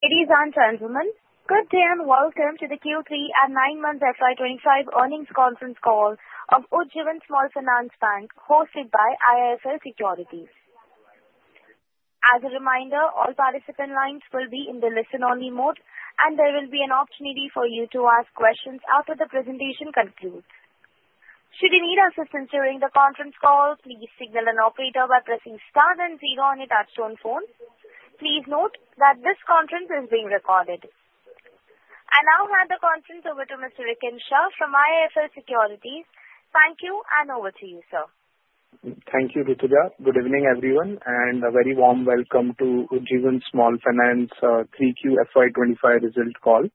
Ladies and gentlemen, good day and welcome to the Q3 and 9 Months FY25 Earnings Conference Call of Ujjivan Small Finance Bank, hosted by IIFL Securities. As a reminder, all participant lines will be in the listen-only mode, and there will be an opportunity for you to ask questions after the presentation concludes. Should you need assistance during the conference call, please signal an operator by pressing star then zero on your touch-tone phone. Please note that this conference is being recorded. I now hand the conference over to Mr. Rikin Shah from IIFL Securities. Thank you, and over to you, sir. Thank you, Deepika. Good evening, everyone, and a very warm welcome to Ujjivan Small Finance Bank 3Q FY25 Results Call.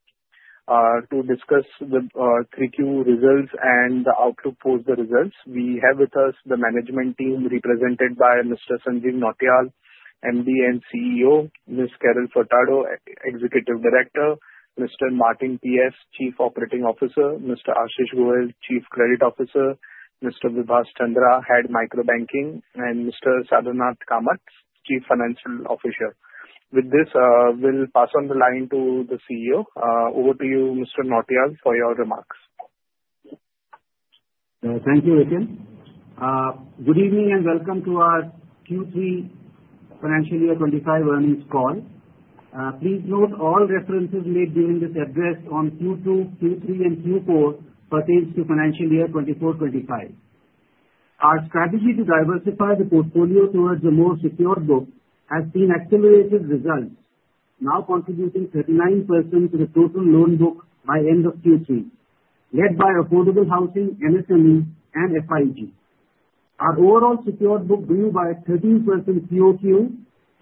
To discuss the 3Q results and the outlook for the results, we have with us the management team represented by Mr. Sanjeev Nautiyal, MD and CEO, Ms. Carol Furtado, Executive Director, Mr. Martin P.S., Chief Operating Officer, Mr. Ashish Goel, Chief Credit Officer, Mr. Vibhas Chandra, Head of Microbanking, and Mr. Balakrishna Kamath, Chief Financial Officer. With this, we'll pass on the line to the CEO. Over to you, Mr. Nautiyal, for your remarks. Thank you, Rikin. Good evening and welcome to our Q3 Financial Year 25 Earnings Call. Please note all references made during this address on Q2, Q3, and Q4 pertain to Financial Year 24-25. Our strategy to diversify the portfolio towards a more secure book has seen accelerated results, now contributing 39% to the total loan book by end of Q3, led by affordable housing, MSME, and FIG. Our overall secured book grew by 13% QoQ,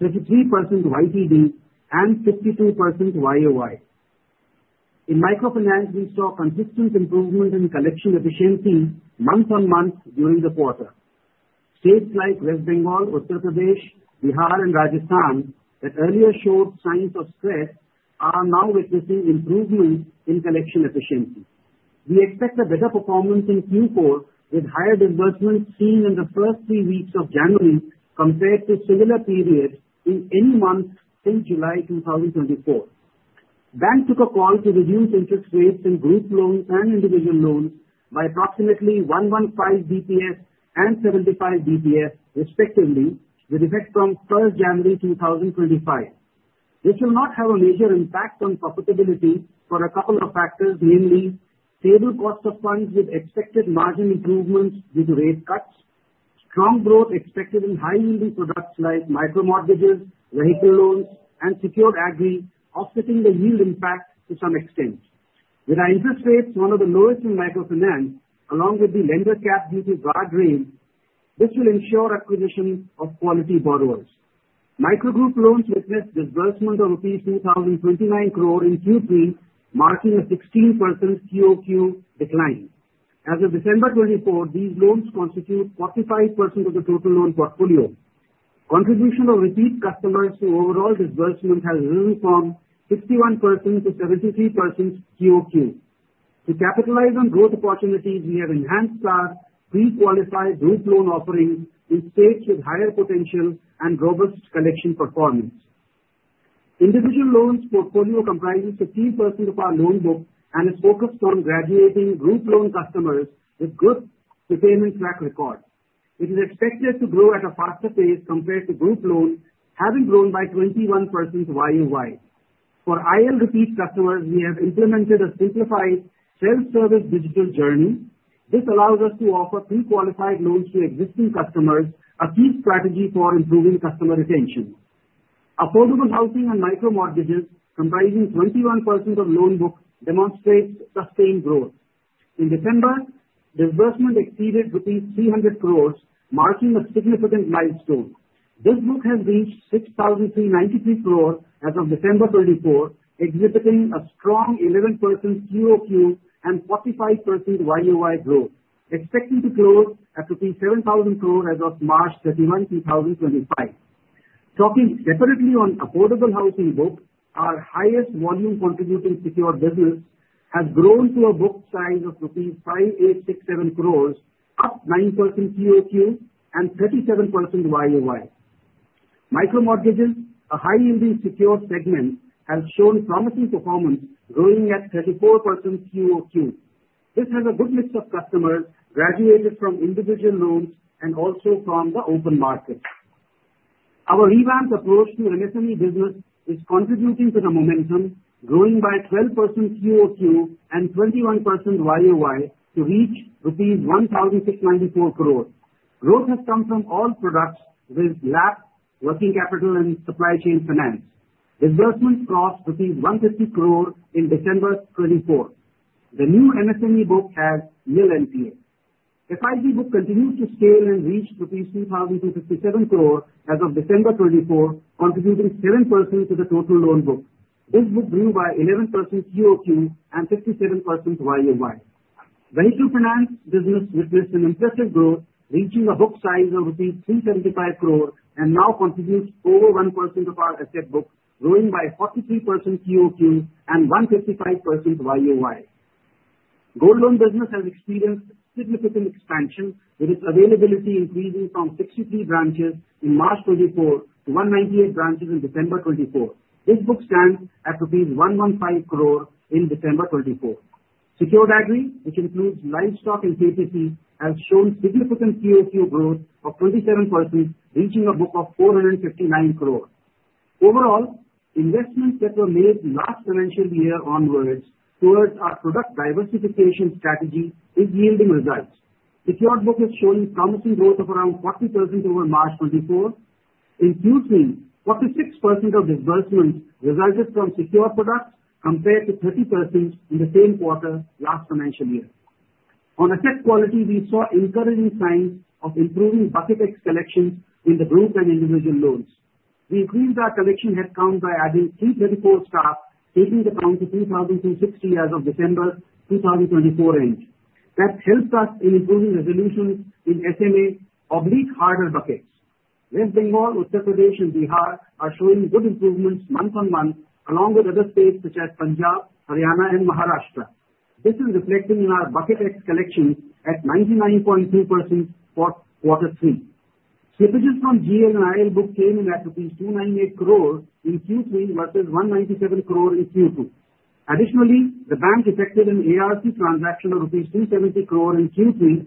33% YTD, and 52% YoY. In microfinance, we saw consistent improvement in collection efficiency month-on-month during the quarter. States like West Bengal, Uttar Pradesh, Bihar, and Rajasthan that earlier showed signs of stress are now witnessing improvement in collection efficiency. We expect a better performance in Q4, with higher disbursements seen in the first three weeks of January compared to similar periods in any month since July 2024. The bank took a call to reduce interest rates in group loans and individual loans by approximately 115 basis points and 75 basis points, respectively, with effect from 1st January 2025. This will not have a major impact on profitability for a couple of factors, namely stable cost of funds with expected margin improvements due to rate cuts, strong growth expected in high-yielding products like micro-mortgages, vehicle loans, and Secured Agri, offsetting the yield impact to some extent. With interest rates one of the lowest in microfinance, along with the lender cap due to guardrails, this will ensure acquisition of quality borrowers. Micro-group loans witnessed disbursement of rupees 2,029 crore in Q3, marking a 16% QoQ decline. As of December 24, these loans constitute 45% of the total loan portfolio. Contribution of repeat customers to overall disbursement has risen from 61% to 73% QoQ. To capitalize on growth opportunities, we have enhanced our pre-qualified group loan offerings in states with higher potential and robust collection performance. Individual loans portfolio comprises 15% of our loan book and is focused on graduating group loan customers with good repayment track record. It is expected to grow at a faster pace compared to group loans, having grown by 21% YoY. For IL repeat customers, we have implemented a simplified self-service digital journey. This allows us to offer pre-qualified loans to existing customers, a key strategy for improving customer retention. Affordable housing and micro-mortgages comprising 21% of loan book demonstrate sustained growth. In December, disbursement exceeded rupees 300 crore, marking a significant milestone. This book has reached 6,393 crore as of December 24, exhibiting a strong 11% QoQ and 45% YoY growth, expected to close at rupees 7,000 crore as of March 31, 2025. Talking separately on affordable housing book, our highest volume contributing secured business has grown to a book size of ₹5,867 crore, up 9% QoQ and 37% YoY. Micro Mortgages, a high-yielding secured segment, have shown promising performance, growing at 34% QoQ. This has a good mix of customers graduated from individual loans and also from the open market. Our revamped approach to MSME business is contributing to the momentum, growing by 12% QoQ and 21% YoY to reach rupees 1,694 crore. Growth has come from all products with LAPs, working capital, and supply chain finance. Disbursements crossed 150 crore in December 2024. The new MSME book has nil NPA. FIG book continues to scale and reach rupees 2,257 crore as of December 2024, contributing 7% to the total loan book. This book grew by 11% QoQ and 57% YoY. Vehicle finance business witnessed an impressive growth, reaching a book size of rupees 375 crore and now contributes over 1% of our asset book, growing by 43% QoQ and 155% YoY. Gold loan business has experienced significant expansion, with its availability increasing from 63 branches in March 2024 to 198 branches in December 2024. This book stands at INR 115 crore in December 2024. Secured Agri, which includes livestock and KPC, has shown significant QoQ growth of 27%, reaching a book of 459 crore. Overall, investments that were made last financial year onwards towards our product diversification strategy are yielding results. Secured book is showing promising growth of around 40% over March 2024. In Q3, 46% of disbursements resulted from secured products compared to 30% in the same quarter last financial year. On asset quality, we saw encouraging signs of improving Bucket X collections in the group and individual loans. We increased our collection headcount by adding 334 staff, taking the headcount to 2,260 as of end of December 2024. That helped us in improving resolution in SMA-1 and higher buckets. West Bengal, Uttar Pradesh, and Bihar are showing good improvements month-on-month, along with other states such as Punjab, Haryana, and Maharashtra. This is reflected in our bucket 1 collections at 99.2% for Q3. Slippages from GL and IL book came in at 298 crore in Q3 versus 197 crore in Q2. Additionally, the bank effected an ARC transaction of rupees 270 crore in Q3,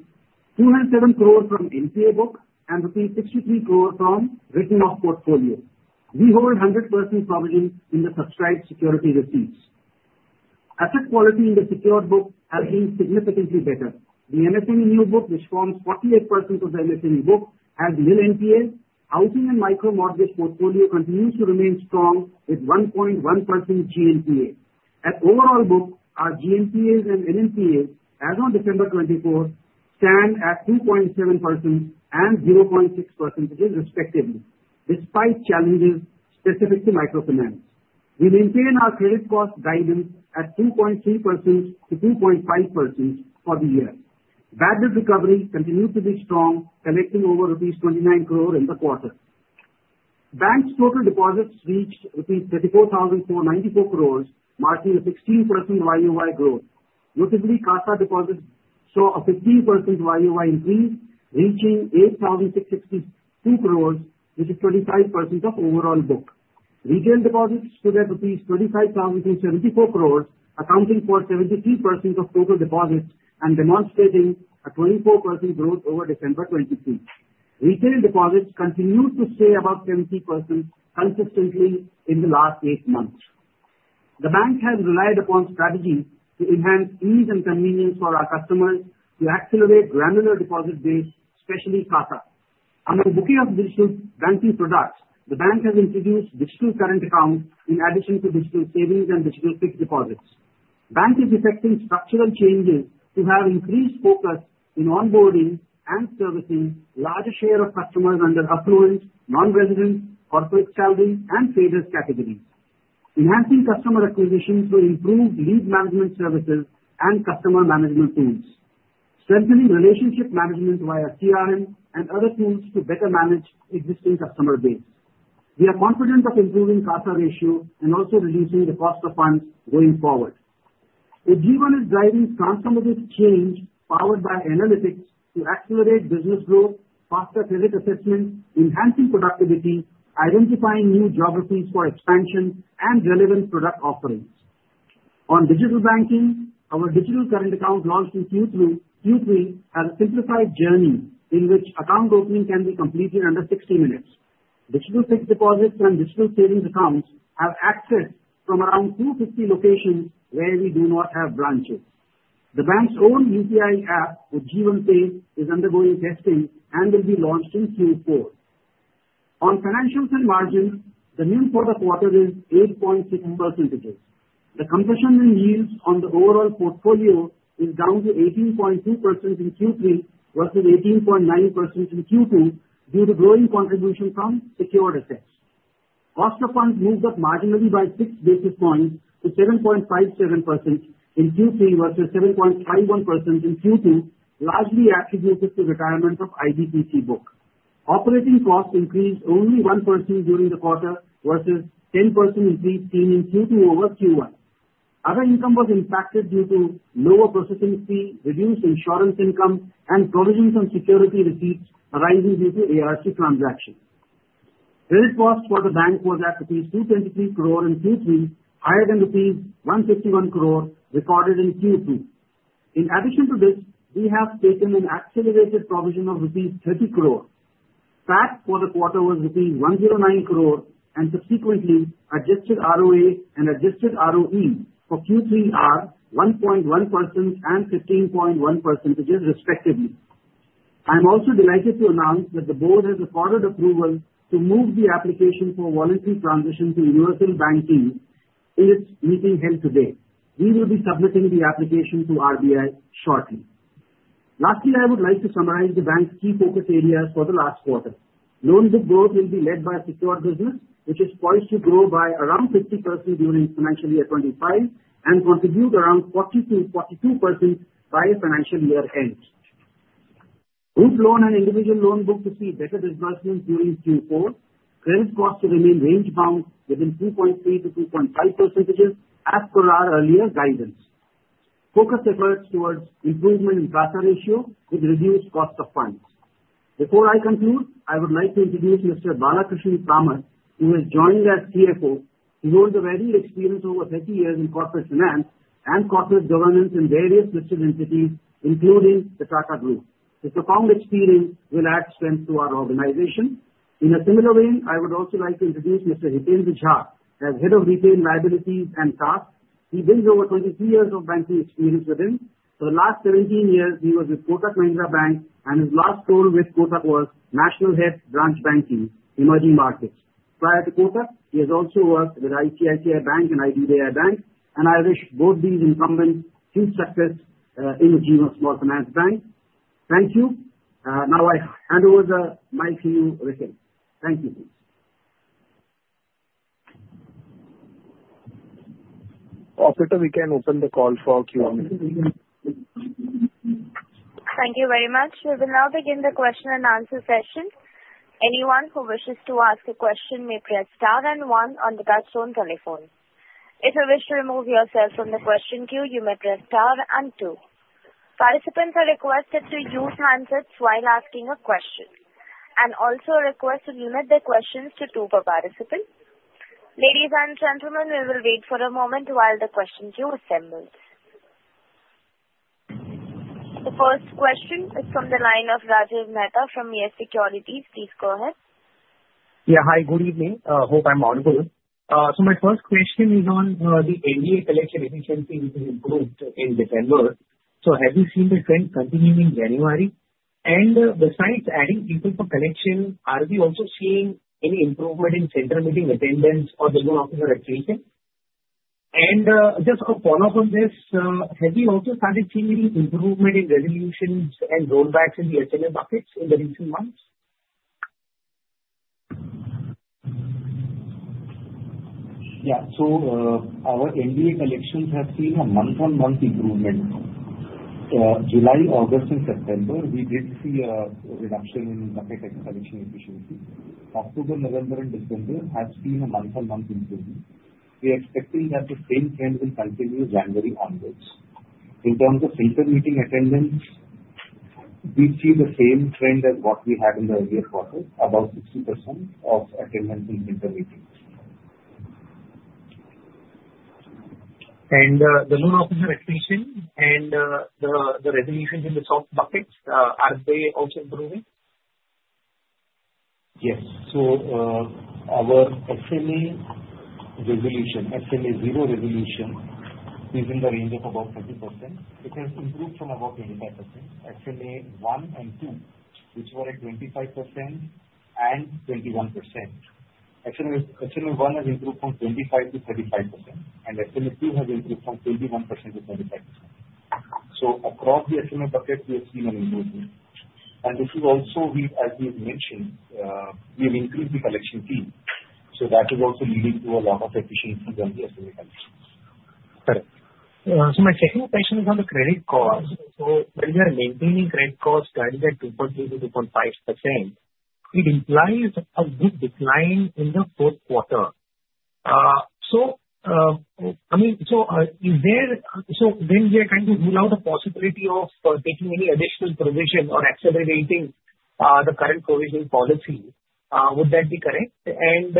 207 crore from NPA book, and rupees 63 crore from written-off portfolio. We hold 100% provision in the subscribed security receipts. Asset quality in the secured book has been significantly better. The MSME new book, which forms 48% of the MSME book, has little NPA. Housing and micro-mortgage portfolio continues to remain strong with 1.1% GNPA. the overall book, our GNPAs and NNPA's, as of December 2024, stand at 2.7% and 0.6%, respectively, despite challenges specific to microfinance. We maintain our credit cost guidance at 2.3%-2.5% for the year. Bad debt recovery continued to be strong, collecting over rupees 29 crore in the quarter. Bank's total deposits reached rupees 34,494 crore, marking a 16% YoY growth. Notably, CASA deposits saw a 15% YoY increase, reaching 8,662 crore, which is 25% of overall book. Retail deposits stood at rupees 25,074 crore, accounting for 73% of total deposits and demonstrating a 24% growth over December 2023. Retail deposits continued to stay above 70% consistently in the last eight months. The bank has relied upon strategies to enhance ease and convenience for our customers to accelerate granular deposit base, especially CASA. Under the booking of digital banking products, the bank has introduced Digital Current Account in addition to Digital Savings and Digital Fixed Deposits. The bank is effecting structural changes to have increased focus in onboarding and servicing a larger share of customers under affluent, non-resident, corporate salaries, and traders categories, enhancing customer acquisition through improved lead management services and customer management tools, strengthening relationship management via CRM and other tools to better manage existing customer base. We are confident of improving CASA ratio and also reducing the cost of funds going forward. Ujjivan is driving transformative change powered by analytics to accelerate business growth, foster credit assessment, enhancing productivity, identifying new geographies for expansion, and relevant product offerings. On digital banking, our Digital Current Account launched in Q3 has a simplified journey in which account opening can be completed under 60 minutes. Digital Fixed Deposits and Digital Savings Accounts have access from around 250 locations where we do not have branches. The bank's own UPI app, Ujjivan Pay, is undergoing testing and will be launched in Q4. On financials and margins, the new quarter is 8.6%. The contraction in yields on the overall portfolio is down to 18.2% in Q3 versus 18.9% in Q2 due to growing contribution from secured assets. Cost of funds moved up marginally by 6 basis points to 7.57% in Q3 versus 7.51% in Q2, largely attributed to retirement of IBPC book. Operating costs increased only 1% during the quarter versus 10% increase seen in Q2 over Q1. Other income was impacted due to lower processing fee, reduced insurance income, and provisions on security receipts arising due to ARC transactions. Credit cost for the bank was at rupees 223 crore in Q3, higher than rupees 151 crore recorded in Q2. In addition to this, we have taken an accelerated provision of rupees 30 crore. PAT for the quarter was rupees 109 crore and subsequently adjusted ROA and adjusted ROE for Q3 are 1.1% and 15.1%, respectively. I am also delighted to announce that the board has recorded approval to move the application for voluntary transition to universal banking in its meeting held today. We will be submitting the application to RBI shortly. Lastly, I would like to summarize the bank's key focus areas for the last quarter. Loan book growth will be led by secured business, which is poised to grow by around 50% during financial year 25 and contribute around 40%-42% by financial year end. Group loan and individual loan book to see better disbursements during Q4. Credit costs to remain range-bound within 2.3%-2.5% as per our earlier guidance. Focus efforts towards improvement in CASA ratio with reduced cost of funds. Before I conclude, I would like to introduce Mr. Balakrishna Kamath, who has joined as CFO. He holds a varied experience over 30 years in corporate finance and corporate governance in various listed entities, including the Tata Group. His profound experience will add strength to our organization. In a similar vein, I would also like to introduce Mr. Hitendra Jha, as Head of Retail Liabilities and TASC. He brings over 23 years of banking experience with him. For the last 17 years, he was with Kotak Mahindra Bank, and his last role with Kotak was national head branch banking, emerging markets. Prior to Kotak, he has also worked with ICICI Bank and IDBI Bank, and I wish both these incumbents huge success in Ujjivan Small Finance Bank. Thank you. Now I hand over the mic to you, Rikin. Thank you, please. Operator, we can open the call for Q&A. Thank you very much. We will now begin the question and answer session. Anyone who wishes to ask a question may press star and one on the touch-tone telephone. If you wish to remove yourself from the question queue, you may press star and two. Participants are requested to use handsets while asking a question and also request to limit their questions to two per participant. Ladies and gentlemen, we will wait for a moment while the question queue assembles. The first question is from the line of Rajiv Mehta from YES Securities. Please go ahead. Yeah, hi, good evening. Hope I'm on board. My first question is on the NPA collection efficiency, which has improved in December. Have you seen the trend continuing in January? Besides adding people for collection, are we also seeing any improvement in center meeting attendance or field officer retention? Just a follow-up on this, have we also started seeing any improvement in resolutions and rollbacks in the SMA buckets in the recent months? Yeah, our NPA collections have seen a month-on-month improvement. July, August, and September, we did see a reduction in Bucket X collection efficiency. October, November, and December have seen a month-on-month improvement. We are expecting that the same trend will continue January onwards. In terms of inter-meeting attendance, we see the same trend as what we had in the earlier quarter, about 60% attendance in inter-meetings. The loan officer retention and the resolutions in the soft buckets, are they also improving? Yes. Our SMA resolution, SMA zero resolution, is in the range of about 30%. It has improved from about 25%. SMA 1 and 2, which were at 25% and 21%. SMA 1 has improved from 25% to 35%, and SMA 2 has improved from 21%-35%. Across the SMA buckets, we have seen an improvement. This is also, as we have mentioned, we have increased the collection fee. That is also leading to a lot of efficiency in the SMA collections. Correct. My second question is on the credit cost. When we are maintaining credit costs currently at 2.3%-2.5%, it implies a good decline in the fourth quarter. So, I mean, is there, when we are trying to rule out the possibility of taking any additional provision or accelerating the current provision policy, would that be correct? And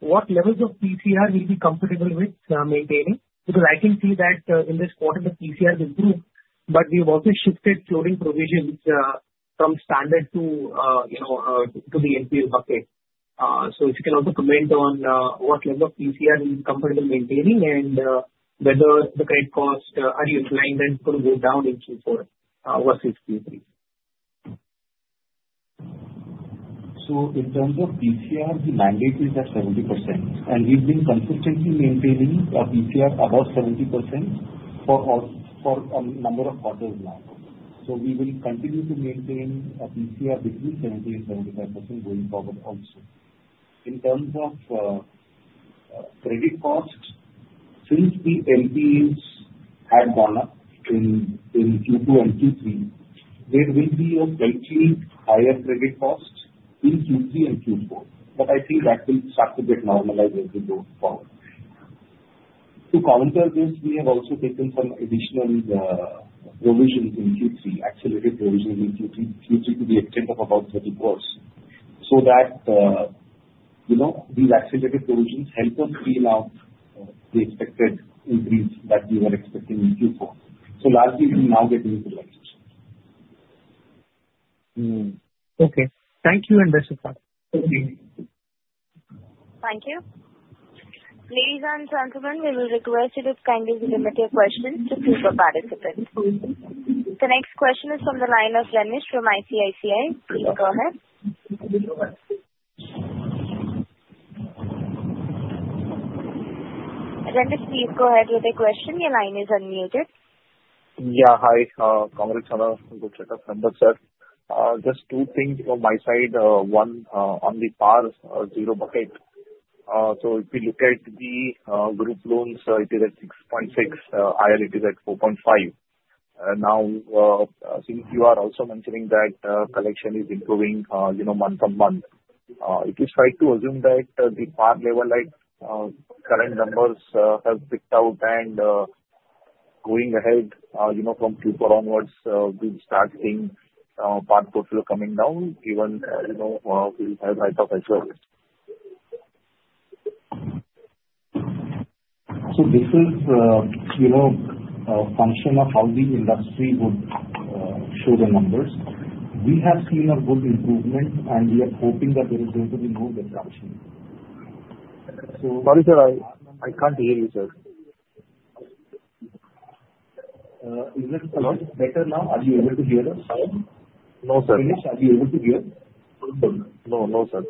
what levels of PCR will be comfortable with maintaining? Because I can see that in this quarter, the PCR will improve, but we have also shifted floating provisions from standard to the NPA bucket. So if you can also comment on what level of PCR will be comfortable maintaining and whether the credit costs are inclined then to go down in Q4 versus Q3. In terms of PCR, the mandate is at 70%, and we've been consistently maintaining a PCR above 70% for a number of quarters now. We will continue to maintain a PCR between 70% and 75% going forward also. In terms of credit costs, since the NPAs had gone up in Q2 and Q3, there will be a slightly higher credit cost in Q3 and Q4, but I think that will start to get normalized as we go forward. To counter this, we have also taken some additional provisions in Q3, accelerated provisions in Q3 to the extent of about 30%, so that these accelerated provisions help us feel out the expected increase that we were expecting in Q4. So largely, we're now getting utilization. Okay. Thank you and best of luck. Thank you. Ladies and gentlemen, we will request you to kindly limit your questions to three per participant. The next question is from the line of Ramesh from ICICI. Please go ahead. Ramesh, please go ahead with the question. Your line is unmuted. Yeah, hi. Congrats on the setup. Just two things from my side. One, on the PAR zero bucket, so if we look at the group loans, it is at 6.6%, IL it is at 4.5%. Now, since you are also mentioning that collection is improving month-on-month, it is right to assume that the PAR level, like current numbers, have peaked out and going ahead from Q4 onwards, we'll start seeing PAR portfolio coming down, given we'll have right of assurance. So this is a function of how the industry would show the numbers. We have seen a good improvement, and we are hoping that there is going to be more reduction. So. Sorry, sir. I can't hear you, sir. Is it a lot better now? Are you able to hear us? No, sir. Ramesh, are you able to hear? No, no, sir.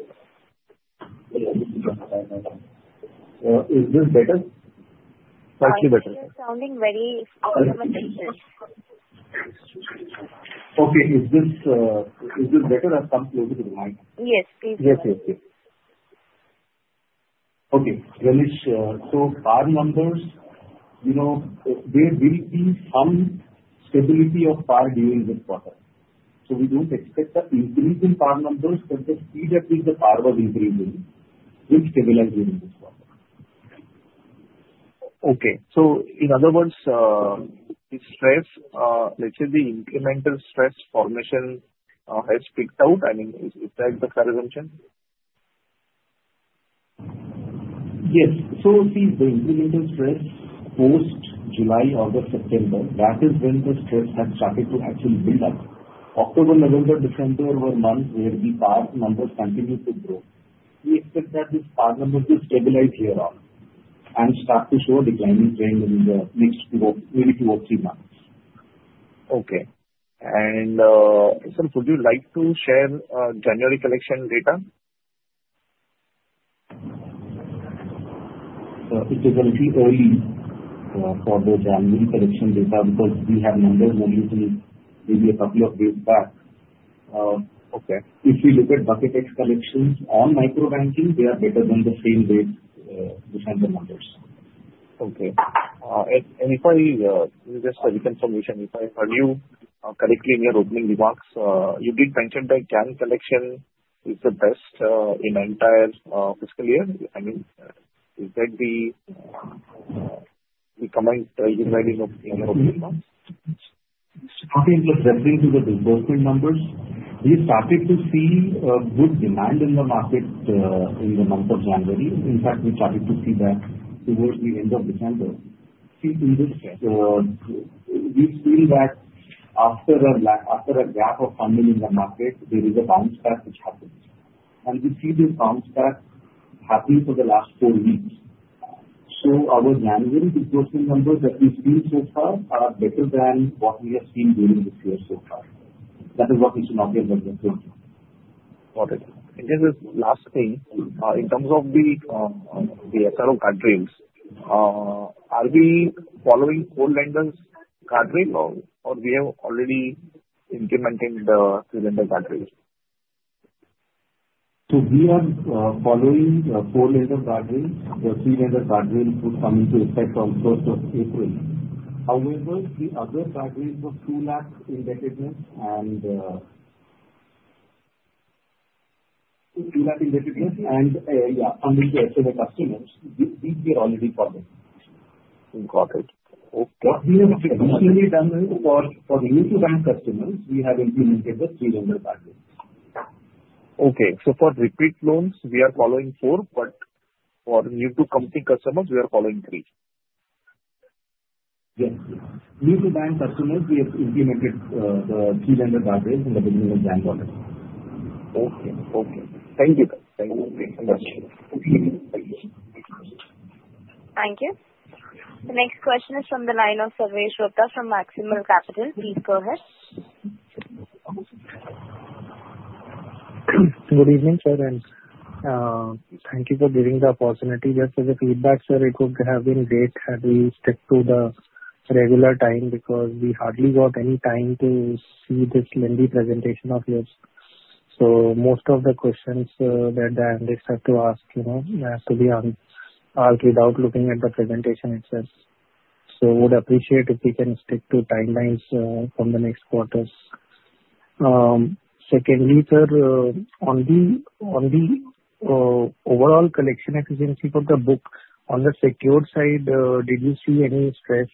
Is this better? Slightly better. Sounding very distant. Okay. Is this better? I'll come closer to the mic. Yes, please. Yes, yes, yes. Okay. Ramesh, so PAR numbers, there will be some stability of PAR during this quarter. So we don't expect an increase in PAR numbers at the speed at which the PAR was increasing, which stabilized during this quarter. Okay. So in other words, the stress, let's say the incremental stress formation has picked out. I mean, is that the fair assumption? Yes. So see, the incremental stress post-July, August, September, that is when the stress has started to actually build up. October, November, December were months where the PAR numbers continued to grow. We expect that these PAR numbers will stabilize here and start to show a declining trend in the next maybe two or three months. Okay. And sir, would you like to share January collection data? It is a little early for the January collection data because we have numbers released maybe a couple of days back. If we look at bucket X collections on microbanking, they are better than the same date, the sample numbers. Okay. And if I just reconfirm, Rikin, if I heard you correctly in your opening remarks, you did mention that Jan collection is the best in the entire fiscal year. I mean, is that the comment you made in your opening remarks? Started just referring to the disbursement numbers. We started to see good demand in the market in the month of January. In fact, we started to see that towards the end of December. See, in this case, we've seen that after a gap of funding in the market, there is a bounce back which happens. And we see this bounce back happening for the last four weeks. Our January disbursement numbers that we've seen so far are better than what we have seen during this year so far. Got it. And just this last thing, in terms of the SRO guardrails, are we following four-lender guardrail or we have already implemented the three-lender guardrail? We are following the four-lender guardrail. The three-lender guardrail would come into effect on 1st of April. However, the other guardrails of Two Lakh indebtedness and funding to SMA customers, these we are already following. Got it. Okay. What we have additionally done for the new-to-bank customers, we have implemented the three-lender guardrail. Okay. So for repeat loans, we are following four, but for new-to-company customers, we are following three. Yes. New-to-bank customers, we have implemented the three-lender guardrail in the beginning of January as well. Okay. Okay. Thank you. Thank you. Thank you. The next question is from the line of Sarvesh Gupta from Maximal Capital. Please go ahead. Good evening, sir. And thank you for giving the opportunity. Just as a feedback, sir, it would have been great had we stuck to the regular time because we hardly got any time to see this lengthy presentation of yours. So most of the questions that I understand to ask have to be answered without looking at the presentation itself. So I would appreciate if we can stick to timelines from the next quarters. Secondly, sir, on the overall collection efficiency for the book, on the secured side, did you see any stress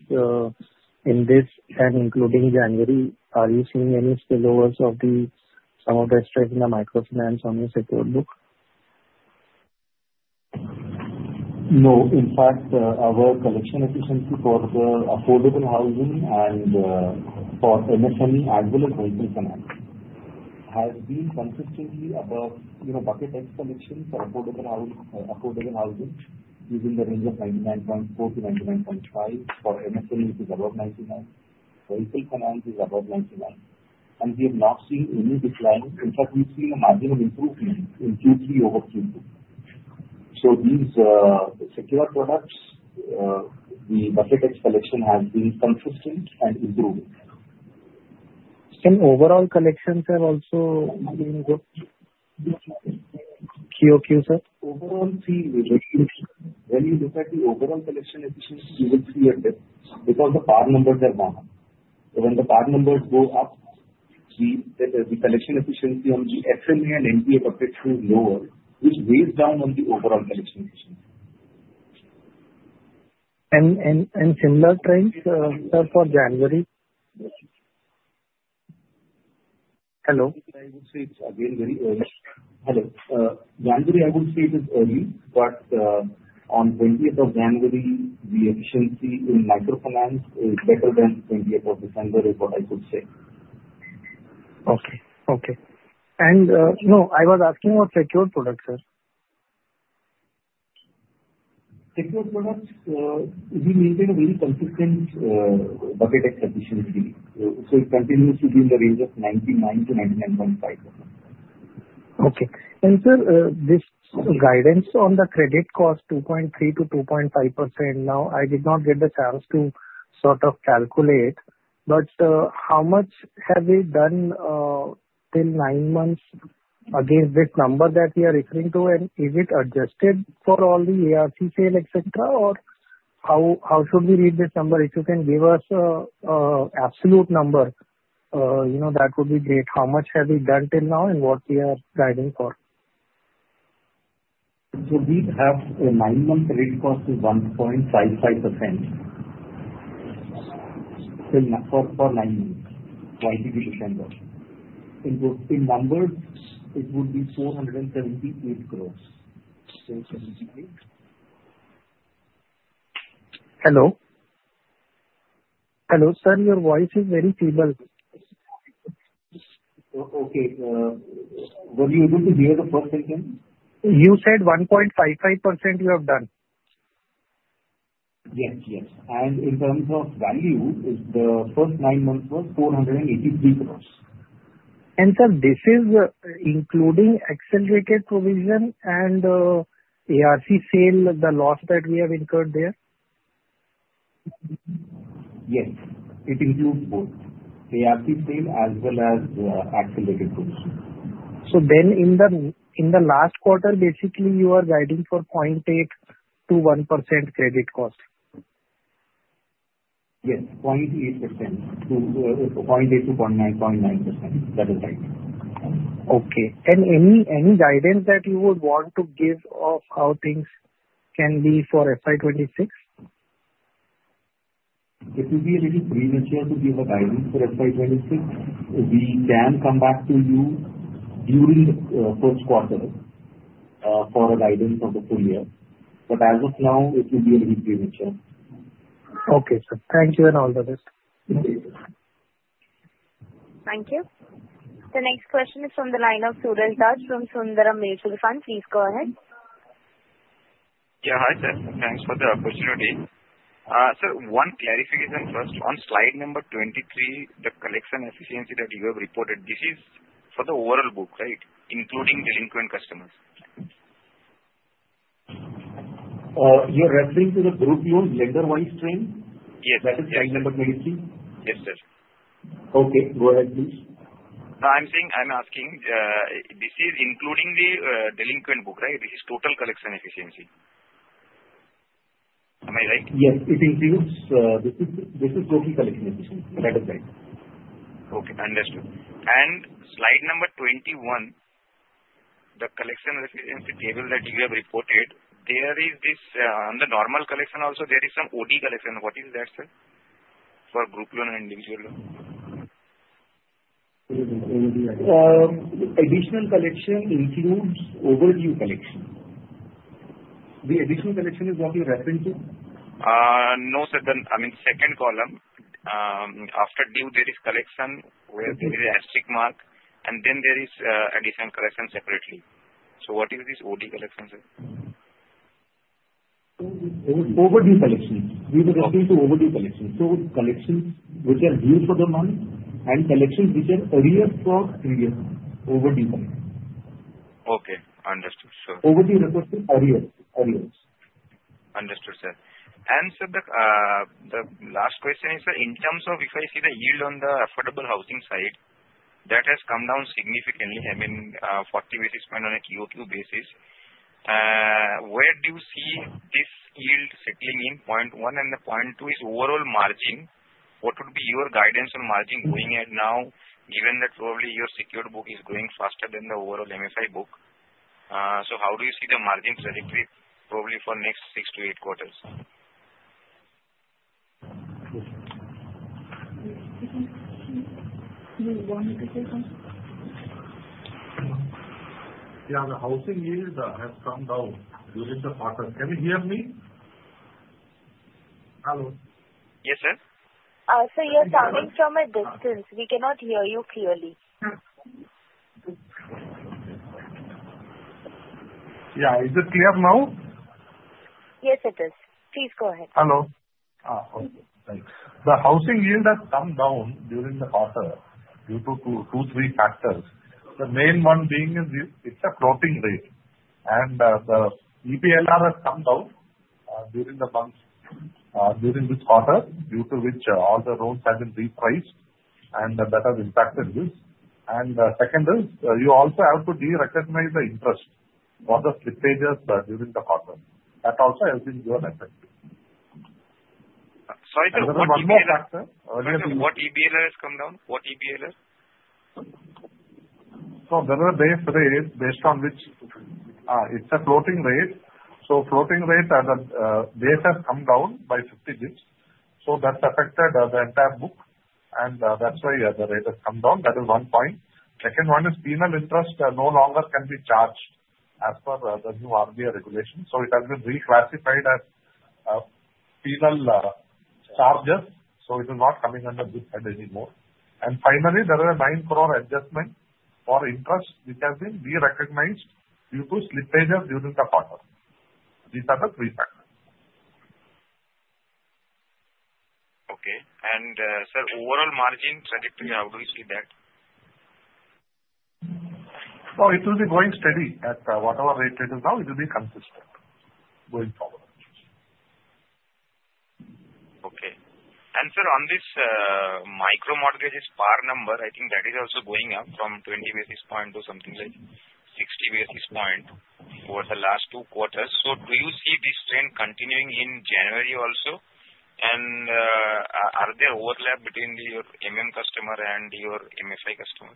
in this and including January? Are you seeing any spillovers of some of the stress in the microfinance on the secured book? No. In fact, our collection efficiency for the affordable housing and for MSME affordable and microfinance has been consistently above bucket 0 collections for affordable housing in the range of 99.4%-99.5%. For MSME, it is above 99%. For Retail Finance, it is above 99%. And we have not seen any decline. In fact, we've seen a margin of improvement in Q3 over Q2. So these secure products, the bucket 0 collection has been consistent and improving. So overall collections have also been good. QoQ, sir? Overall, see, when you look at the overall collection efficiency, you will see a dip because the PAR numbers are normal. So when the PAR numbers go up, the collection efficiency on the SMA and NPA buckets is lower, which weighs down on the overall collection efficiency. And similar trends, sir, for January? Hello? I would say it's again very early. Hello. January, I would say it is early, but on 20th of January, the efficiency in microfinance is better than 20th of December is what I could say. Okay. Okay. And no, I was asking about secured products, sir. Secured products, we maintain a very consistent Bucket X efficiency. So it continues to be in the range of 99%-99.5%. Okay. And sir, this guidance on the credit cost, 2.3%-2.5%, now I did not get the chance to sort of calculate, but how much have we done till nine months against this number that we are referring to? And is it adjusted for all the ARC sale, etc., or how should we read this number? If you can give us an absolute number, that would be great. How much have we done till now and what we are guiding for? So we have a nine-month credit cost of 1.55% for nine months, YTD December. In numbers, it would be 478 crores. Hello? Hello, sir. Your voice is very feeble. Okay. Were you able to hear the first sentence? You said 1.55% you have done. Yes. Yes. And in terms of value, the first nine months was 483 crores. And sir, this is including accelerated provision and ARC sale, the loss that we have incurred there? Yes. It includes both ARC sale as well as accelerated provision. So then in the last quarter, basically, you are guiding for 0.8%-1% credit cost. Yes. 0.8%. 0.8%-0.9%. That is right. Okay. And any guidance that you would want to give of how things can be for FY26? It would be a little premature to give a guidance for FY26. We can come back to you during the first quarter for a guidance for the full year. But as of now, it will be a little premature. Okay, sir. Thank you and all the best. Thank you. The next question is from the line of Sudarshan Padmanabhan from Sundaram Mutual Fund. Please go ahead. Yeah. Hi, sir. Thanks for the opportunity. Sir, one clarification first. On slide number 23, the collection efficiency that you have reported, this is for the overall book, right, including delinquent customers? You're referring to the group loans lender-wise trend? Yes. That is slide number 23? Yes, sir. Okay. Go ahead, please. I'm asking, this is including the delinquent book, right? This is total collection efficiency. Am I right? Yes. This is total collection efficiency. That is right. Okay. Understood. And slide number 21, the collection efficiency table that you have reported. There is this on the normal collection also, there is some overdue collection collection. What is that, sir? For group loan and individual loan? Additional collection includes overdue collection. The additional collection is what you're referring to? No, sir. I mean, second column, after due, there is collection where there is a tick mark, and then there is additional collection separately. So what is this overdue collection collection, sir? Overdue collection. We will refer to overdue collection. So collections which are due for the month and collections which are arrears for previous month. Overdue collection. Okay. Understood, sir. Overdue records are arrears. Understood, sir. And sir, the last question is, sir, in terms of if I see the yield on the affordable housing side, that has come down significantly, I mean, 40 basis points on a QoQ basis. Where do you see this yield settling in? Point one and the point two is overall margin. What would be your guidance on margin going ahead now, given that probably your secured book is going faster than the overall MFI book? So how do you see the margin trajectory probably for next six to eight quarters? Yeah. The housing yield has come down during the quarter. Can you hear me? Hello. Yes, sir? Sir, you're sounding from a distance. We cannot hear you clearly. Yeah. Is it clear now? Yes, it is. Please go ahead. Hello. Okay. Thanks. The housing yield has come down during the quarter due to two, three factors. The main one being is it's a floating rate. And the EBLR has come down during this quarter due to which all the loans have been repriced, and that has impacted this. The second is you also have to de-recognize the interest for the slippages during the quarter. That also has an effect. So, just one more factor. What EBLR has come down? What EBLR? So there is a base rate based on which it's a floating rate. So the floating rate base has come down by 50 digits. So that's affected the entire book. And that's why the rate has come down. That is one point. Second one is penal interest no longer can be charged as per the new RBI regulation. So it has been reclassified as penal charges. So it is not coming under this head anymore. And finally, there is an 9 crore adjustment for interest which has been de-recognized due to slippages during the quarter. These are the three factors. Okay. And sir, overall margin trajectory, how do you see that? It will be going steady at whatever rate it is now. It will be consistent going forward. Okay. And sir, on this Micro Mortgages PAR number, I think that is also going up from 20 basis points to something like 60 basis points over the last two quarters. So do you see this trend continuing in January also? And are there overlap between your customer and your MFI customer?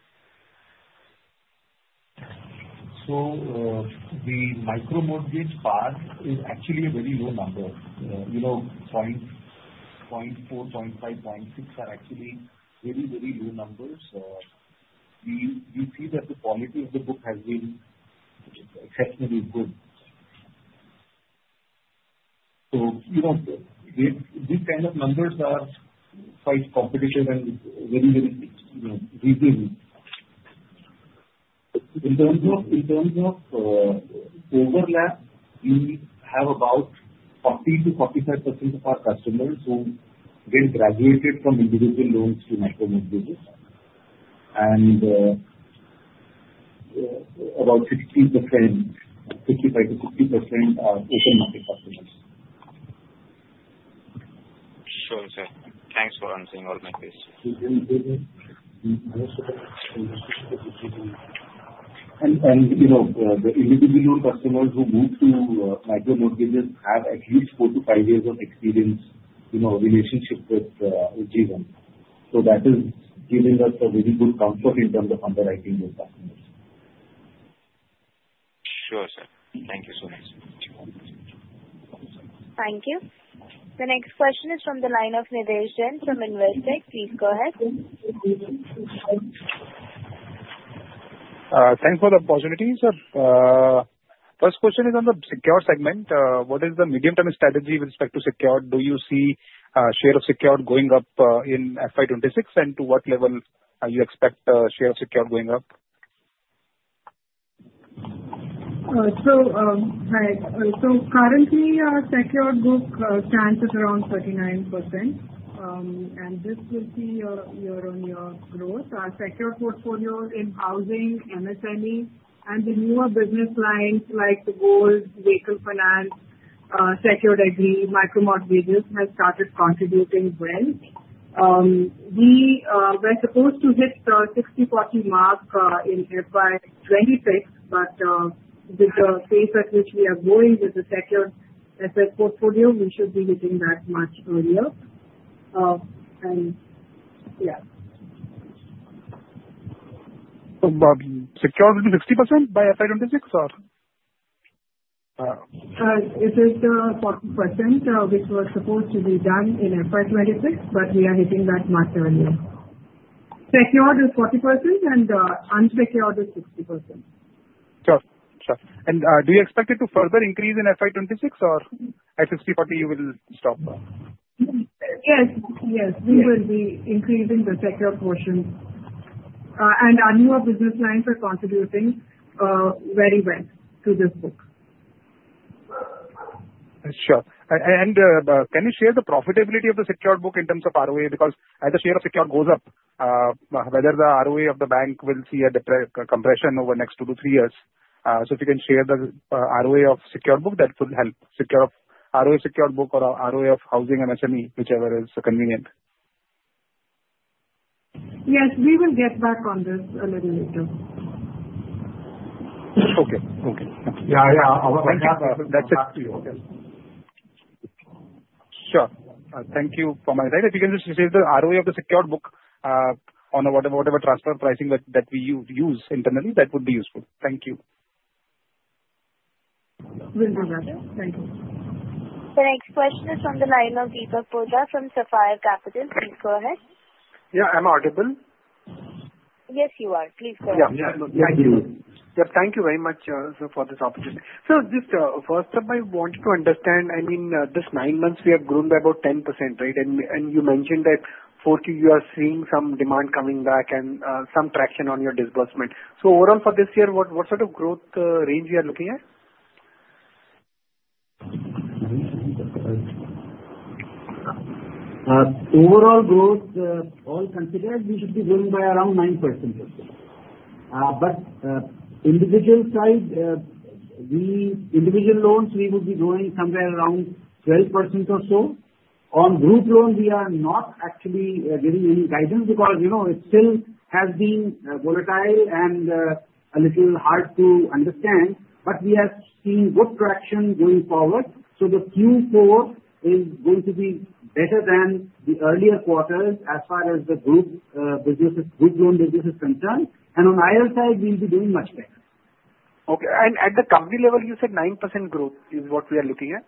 So the Micro Mortgages PAR is actually a very low number. 0.4%, 0.5%, 0.6% are actually very, very low numbers. We see that the quality of the book has been exceptionally good. So these kind of numbers are quite competitive and very, very reasonable. In terms of overlap, we have about 40%-45% of our customers who then graduated from individual loans to Micro Mortgages. And about 60%, 55%-60% are open market customers. Sure, sir. Thanks for answering all my questions. And the individual customers who move to Micro Mortgages have at least four to five years of experience in our relationship with GL. So that has given us a very good comfort in terms of underwriting those customers. Sure, sir. Thank you so much. Thank you. The next question is from the line of Nidhesh Jain from Investec. Please go ahead. Thanks for the opportunity, sir. First question is on the secure segment. What is the medium-term strategy with respect to secure? Do you see share of secure going up in FY26, and to what level do you expect share of secure going up? So currently, secure book stands at around 39%. And this will be year-on-year growth. Our secure portfolio in housing, MSME, and the newer business lines like gold, vehicle finance, secured equity, Micro Mortgages have started contributing well. We were supposed to hit the 60/40 mark in FY26, but with the pace at which we are going with the secured asset portfolio, we should be hitting that much earlier. And yeah. But secured will be 60% by FY26, or? It is 40%, which was supposed to be done in FY26, but we are hitting that much earlier. Secured is 40%, and unsecured is 60%. Sure. Sure. And do you expect it to further increase in FY26, or at 60/40, you will stop? Yes. Yes. We will be increasing the secured portion. And our newer business lines are contributing very well to this book. Sure. And can you share the profitability of the secured book in terms of ROA? Because as the share of secured goes up, whether the ROA of the bank will see a compression over the next two to three years. So if you can share the ROA of secured book, that would help. ROA secured book or ROA of housing, MSME, whichever is convenient. Yes. We will get back on this a little later. Okay. Okay. Yeah. Yeah. That's up to you. Yes. Sure. Thank you for your help. If you can just share the ROA of the secured book on whatever transfer pricing that we use internally, that would be useful. Thank you. Will do that. Thank you. The next question is from the line of Deepak Poddar from Sapphire Capital. Please go ahead. Yeah. I'm audible. Yes, you are. Please go ahead. Yeah. Thank you. Yeah. Thank you very much for this opportunity. Sir, just first step, I wanted to understand, I mean, this nine months, we have grown by about 10%, right? You mentioned that 40%, you are seeing some demand coming back and some traction on your disbursement. So overall for this year, what sort of growth range you are looking at? Overall growth, all considered, we should be growing by around 9%. But individual side, individual loans, we would be growing somewhere around 12% or so. On group loans, we are not actually giving any guidance because it still has been volatile and a little hard to understand. But we have seen good traction going forward. So the Q4 is going to be better than the earlier quarters as far as the group loan business is concerned. And on IL side, we'll be doing much better. Okay. And at the company level, you said 9% growth is what we are looking at?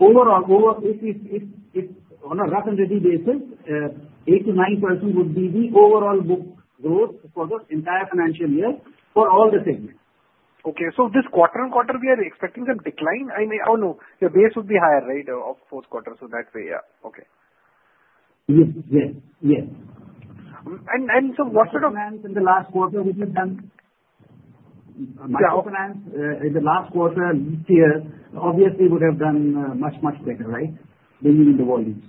Overall, on a rough and ready basis, 8%-9% would be the overall book growth for the entire financial year for all the segments. Okay. So this quarter on quarter, we are expecting some decline. I mean, I don't know. The base would be higher, right, of fourth quarter. So that way, yeah. Okay. Yes. Yes. Yes, and so what sort of? Micro finance in the last quarter, which has done micro finance in the last quarter, this year, obviously would have done much, much better, right, bringing in the volumes.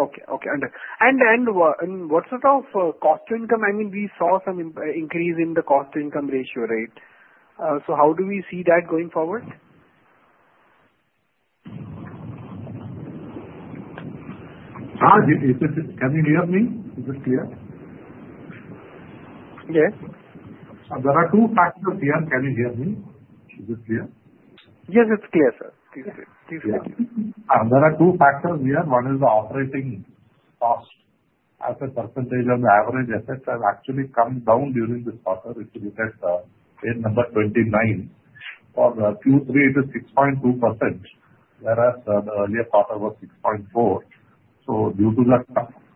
Okay. Okay. Understood. And what sort of cost to income? I mean, we saw some increase in the cost to income ratio, right? So how do we see that going forward? Can you hear me? Is it clear? Yes. There are two factors here. Can you hear me? Is it clear? Yes, it's clear, sir. Please go ahead. There are two factors here. One is the operating cost as a percentage on the average assets have actually come down during this quarter. If you look at page number 29, for Q3, it is 6.2%, whereas the earlier quarter was 6.4%. So due to the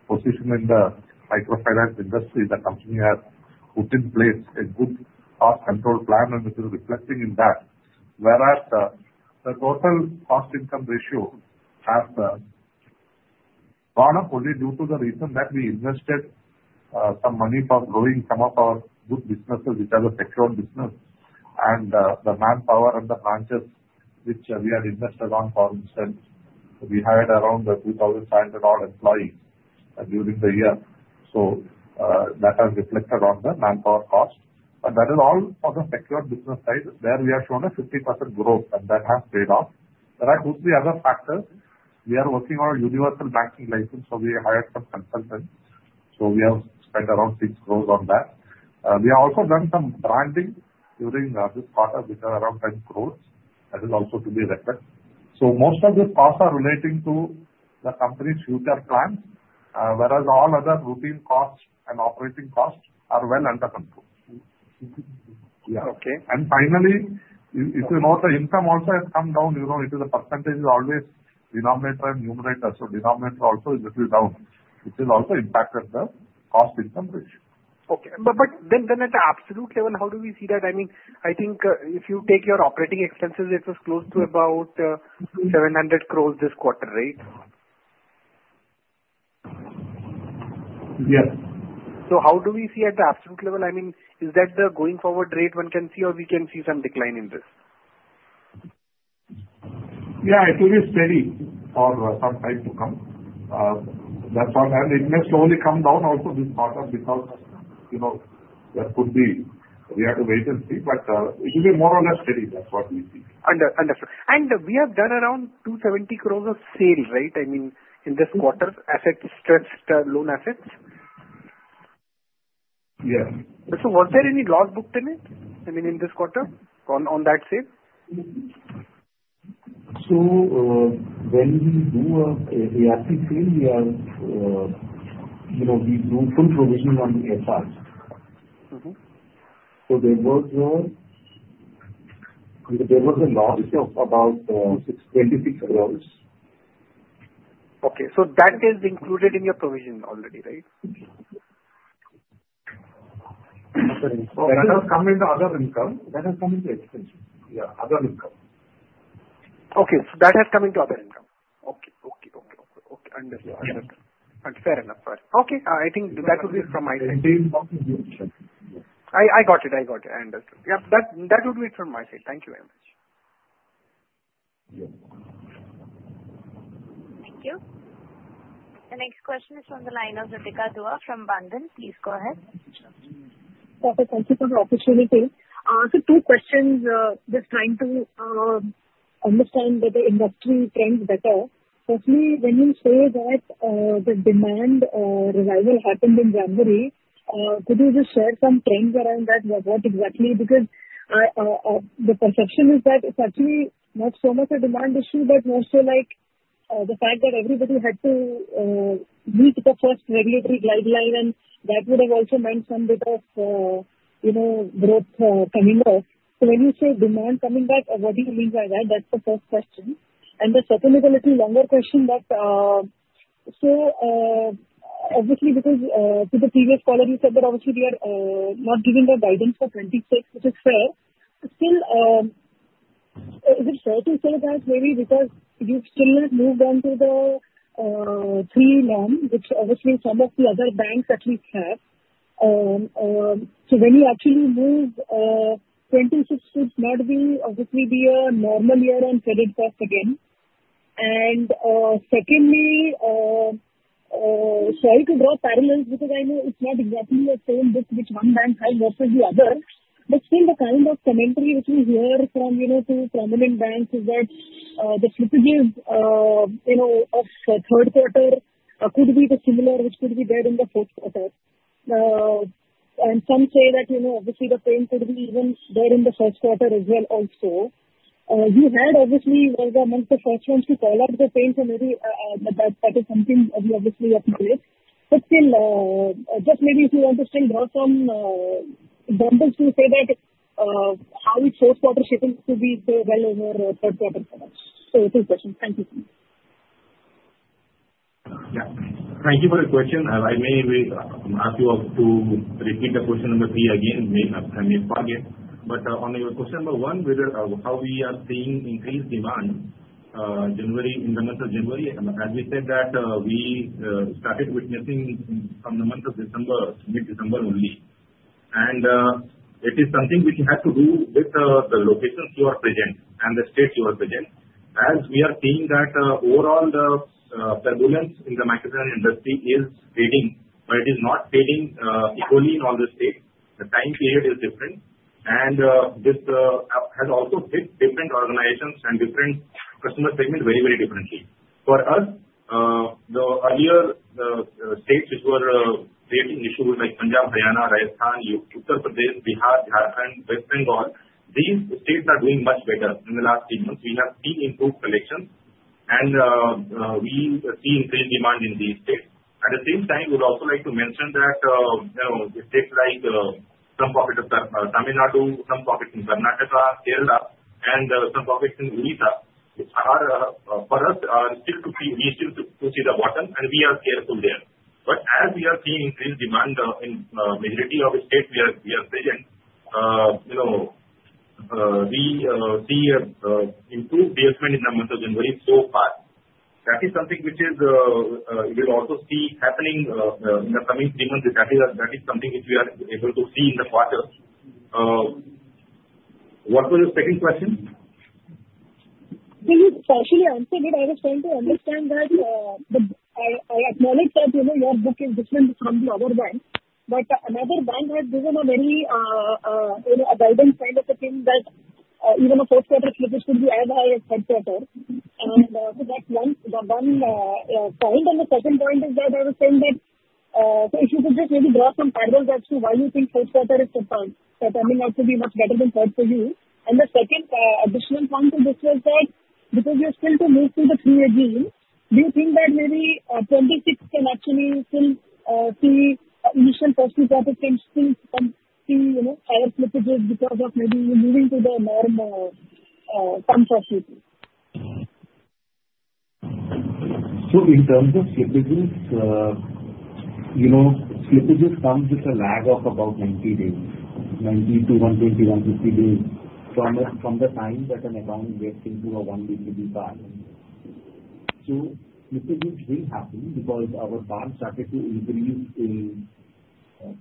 position in the microfinance industry, the company has put in place a good cost control plan, and it is reflecting in that. Whereas the total cost to income ratio has gone up only due to the reason that we invested some money for growing some of our good businesses, which are the secured business. And the manpower and the branches which we had invested on, for instance, we hired around 2,500-odd employees during the year. So that has reflected on the manpower cost. But that is all for the secured business side, where we have shown a 50% growth, and that has paid off. There are two or three other factors. We are working on a universal banking license, so we hired some consultants. So we have spent around 6 crores on that. We have also done some branding during this quarter, which is around 10 crores. That is also to be referenced. So most of these costs are relating to the company's future plans, whereas all other routine costs and operating costs are well under control. Yeah. And finally, if you note, the income also has come down. It is a percentage is always denominator and numerator. So denominator also is a little down, which has also impacted the cost to income ratio. Okay. But then at the absolute level, how do we see that? I mean, I think if you take your operating expenses, it was close to about 700 crore this quarter, right? Yes. So how do we see at the absolute level? I mean, is that the going forward rate one can see, or we can see some decline in this? Yeah. It will be steady for some time to come. That's all. And it may slowly come down also this quarter because there could be we had a wait and see. But it will be more or less steady. That's what we see. Understood. And we have done around 270 crore of sales, right? I mean, in this quarter, stressed loan assets? Yes. So was there any loss booked in it? I mean, in this quarter, on that sale? So when we do a VIP sale, we do full provision. So there was a loss of about 26 crore. Okay. So that is included in your provision already, right? That has come into other income. That has come into expenses. Yeah. Other income. Okay. So that has come into other income. Okay. Okay. Okay. Okay. Understood. Understood. Fair enough. Okay. I think that would be from my side. I got it. I got it. I understood. Yeah. That would be it from my side. Thank you very much. Yes. Thank you. The next question is from the line of Ritika Dua from Bandhan Mutual Fund. Please go ahead. Perfect. Thank you for the opportunity. So two questions. Just trying to understand the industry trends better. Firstly, when you say that the demand revival happened in January, could you just share some trends around that? What exactly? Because the perception is that it's actually not so much a demand issue, but more so like the fact that everybody had to meet the first regulatory guideline, and that would have also meant some bit of growth coming up. So when you say demand coming back, what do you mean by that? That's the first question. And the sustainability, longer question, but so obviously, because to the previous caller, you said that obviously we are not giving the guidance for 2026, which is fair. Still, is it fair to say that maybe because you've still not moved on to the 3-Lender, which obviously some of the other banks at least have? So when you actually move, 2026 should not be obviously a normal year on credit costs again. And secondly, sorry to draw parallels because I know it's not exactly the same book which one bank has versus the other. But still, the kind of commentary which we hear from two prominent banks is that the slippages of third quarter could be the similar, which could be there in the fourth quarter. And some say that obviously the pain could be even there in the first quarter as well also. You had obviously one of the first ones to call out the pain, so maybe that is something we obviously acknowledge. But still, just maybe if you want to still draw some examples to say that how it's fourth quarter shaping to be so well over third quarter for us. So two questions. Thank you. Thank you for the question. I may ask you to repeat the question number three again. I may forget. But on your question number one, how we are seeing increased demand in the month of January, as we said that we started witnessing from the month of December, mid-December only. And it is something which has to do with the locations you are present and the states you are present. As we are seeing that overall, the turbulence in the microfinance industry is fading, but it is not fading equally in all the states. The time period is different. And this has also hit different organizations and different customer segments very, very differently. For us, the earlier states which were creating issues like Punjab, Haryana, Rajasthan, Uttar Pradesh, Bihar, Jharkhand, West Bengal, these states are doing much better in the last few months. We have seen improved collections, and we see increased demand in these states. At the same time, we would also like to mention that states like some pockets of Tamil Nadu, some pockets in Karnataka, Kerala, and some pockets in Odisha, for us, we still could see the bottom, and we are careful there. But as we are seeing increased demand in the majority of the states we are present, we see improved dealing in the month of January so far. That is something which we will also see happening in the coming three months. That is something which we are able to see in the quarter. What was the second question? When you partially answered it, I was trying to understand that I acknowledge that your book is different from the other banks. But another bank has given a very guidance kind of a thing that even a fourth quarter shortage could be as high as third quarter. And so that's one point. And the second point is that I was saying that if you could just maybe draw some parallels as to why you think fourth quarter is performed, that coming out to be much better than third for you. And the second additional point to this was that because you're still to move to the [3L], do you think that maybe 26 can actually still see initial cost to profit changes still. And see higher charge-offs because of maybe moving to the? So in terms of charge-offs, charge-offs come with a lag of about 90 days, 90 to 120, 150 days from the time that an account gets into an NPA. So charge-offs will happen because our slippages started to increase in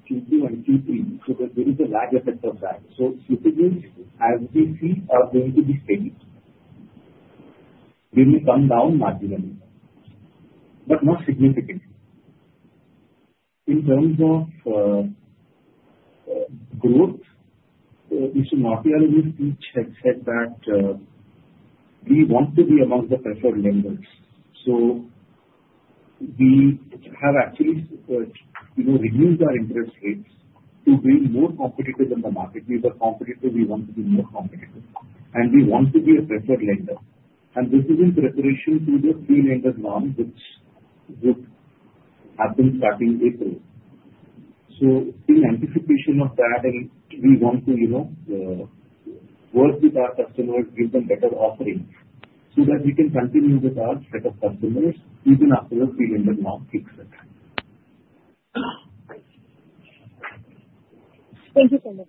Q2 and Q3. So there is a lag effect of that. So shortages, as we see, are going to be steady. They will come down marginally, but not significantly. In terms of growth, Mr. Nautiyal's speech had said that we want to be among the preferred lenders. So we have actually reduced our interest rates to be more competitive than the market. We were competitive. We want to be more competitive. And we want to be a preferred lender. And this is in preparation to the 3-Lender round, which would happen starting April. So in anticipation of that, we want to work with our customers, give them better offerings so that we can continue with our set of customers even after the 3-Lender round kicks in. Thank you so much.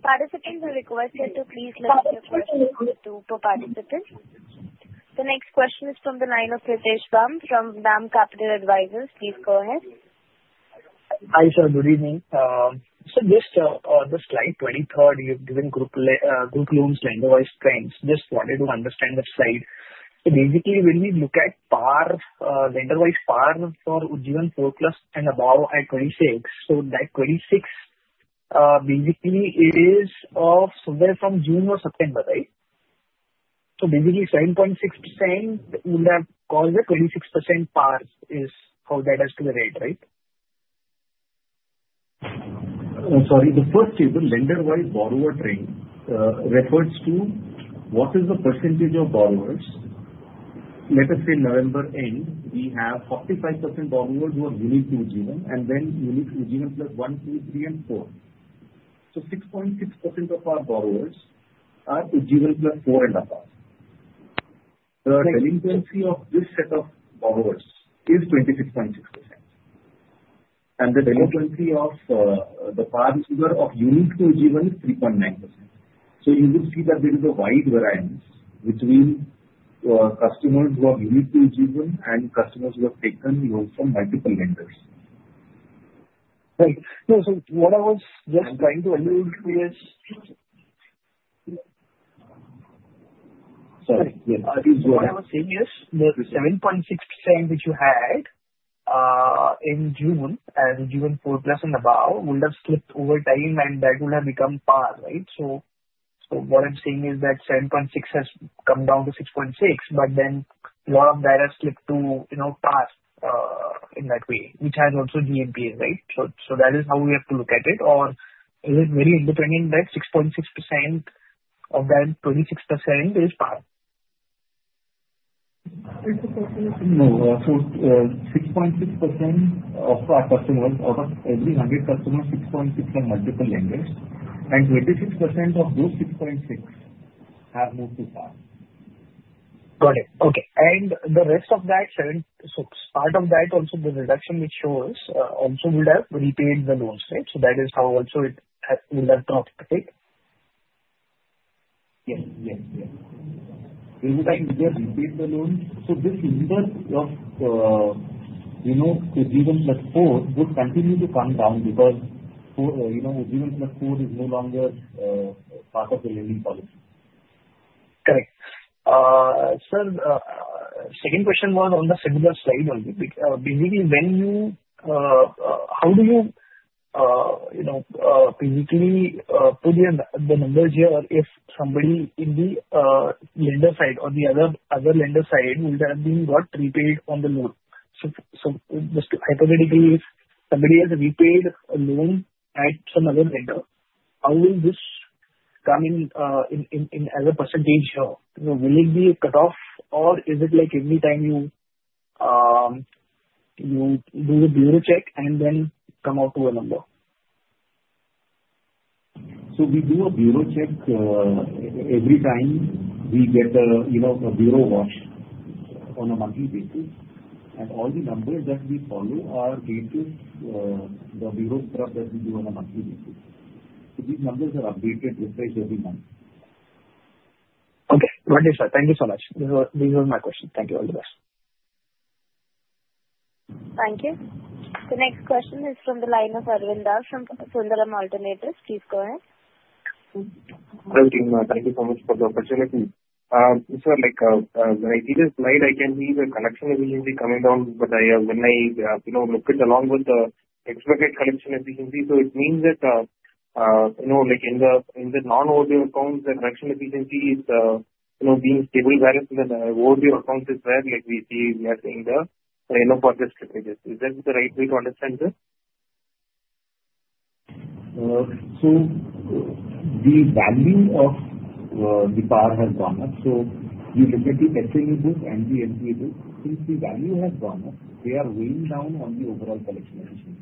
Participants are requested to please ask the questions. To participants. The next question is from the line of Ritesh from DAM Capital Advisors. Please go ahead. Hi, sir. Good evening. So just on the slide 23, you've given group loans lender-wise trends. Just wanted to understand the slide. So basically, when we look at PAR, lender-wise PAR for Ujjivan 4+ and above at 26, so that 26 basically is somewhere from June or September, right? So basically, 7.6% would have caused a 26% PAR is how that has to be read, right? Sorry. The first table, lender-wise borrower trend, refers to what is the percentage of borrowers. Let us say November end, we have 45% borrowers who are unique to Ujjivan, and then unique to Ujjivan plus 1, 2, 3, and 4. So 6.6% of our borrowers are Ujjivan plus 4 and above. The delinquency of this set of borrowers is 26.6%. And the delinquency of the PAR number of unique to Ujjivan is 3.9%. So you would see that there is a wide variance between customers who are unique to Ujjivan and customers who have taken loans from multiple lenders. Right. So what I was just trying to allude to is. Sorry. What I was saying is the 7.6% which you had in June and Ujjivan 4+ and above would have slipped over time, and that would have become PAR, right? So what I'm saying is that 7.6% has come down to 6.6%, but then a lot of that has slipped to PAR in that way, which has also GNPA's, right? So that is how we have to look at it. Or is it very independent that 6.6% of that 26% is PAR? No. So 6.6% of our customers, out of every 100 customers, 6.6% are multiple lenders. And 26% of those 6.6% have moved to PAR. Got it. Okay. And the rest of that, part of that, also the reduction which shows also would have repaid the loans, right? So that is how also it would have dropped, right? Yes. Yes. Yes. It would have repaid the loans. So this number of Ujjivan +4 would continue to come down because Ujjivan +4 is no longer part of the lending policy. Correct. Sir, second question was on the similar slide only. Basically, when you, how do you basically put in the numbers here if somebody in the lender side or the other lender side would have been what repaid on the loan? So just hypothetically, if somebody has repaid a loan at some other lender, how will this come in as a percentage here? Will it be a cutoff, or is it like every time you do a bureau check and then come out to a number? So we do a bureau check every time we get a bureau wash on a monthly basis. And all the numbers that we follow are based on the bureau scrub that we do on a monthly basis. So these numbers are updated with every month. Okay. Got it, sir. Thank you so much. This was my question. Thank you. All the best. Thank you. The next question is from the line of Aravind R from Sundaram Alternates. Please go ahead. Hi, everyone. Thank you so much for the opportunity. Sir, like when I see this slide, I can see the collection efficiency coming down, but when I look at it along with the expected collection efficiency, so it means that in the non-overdue collection accounts, the collection efficiency is being stable whereas in the overdue collection accounts is where we see we are seeing the forecast shortages. Is that the right way to understand this? So the value of the PAR has gone up. So you look at the SMA book and the NPA book. Since the value has gone up, they are weighing down on the overall collection efficiency.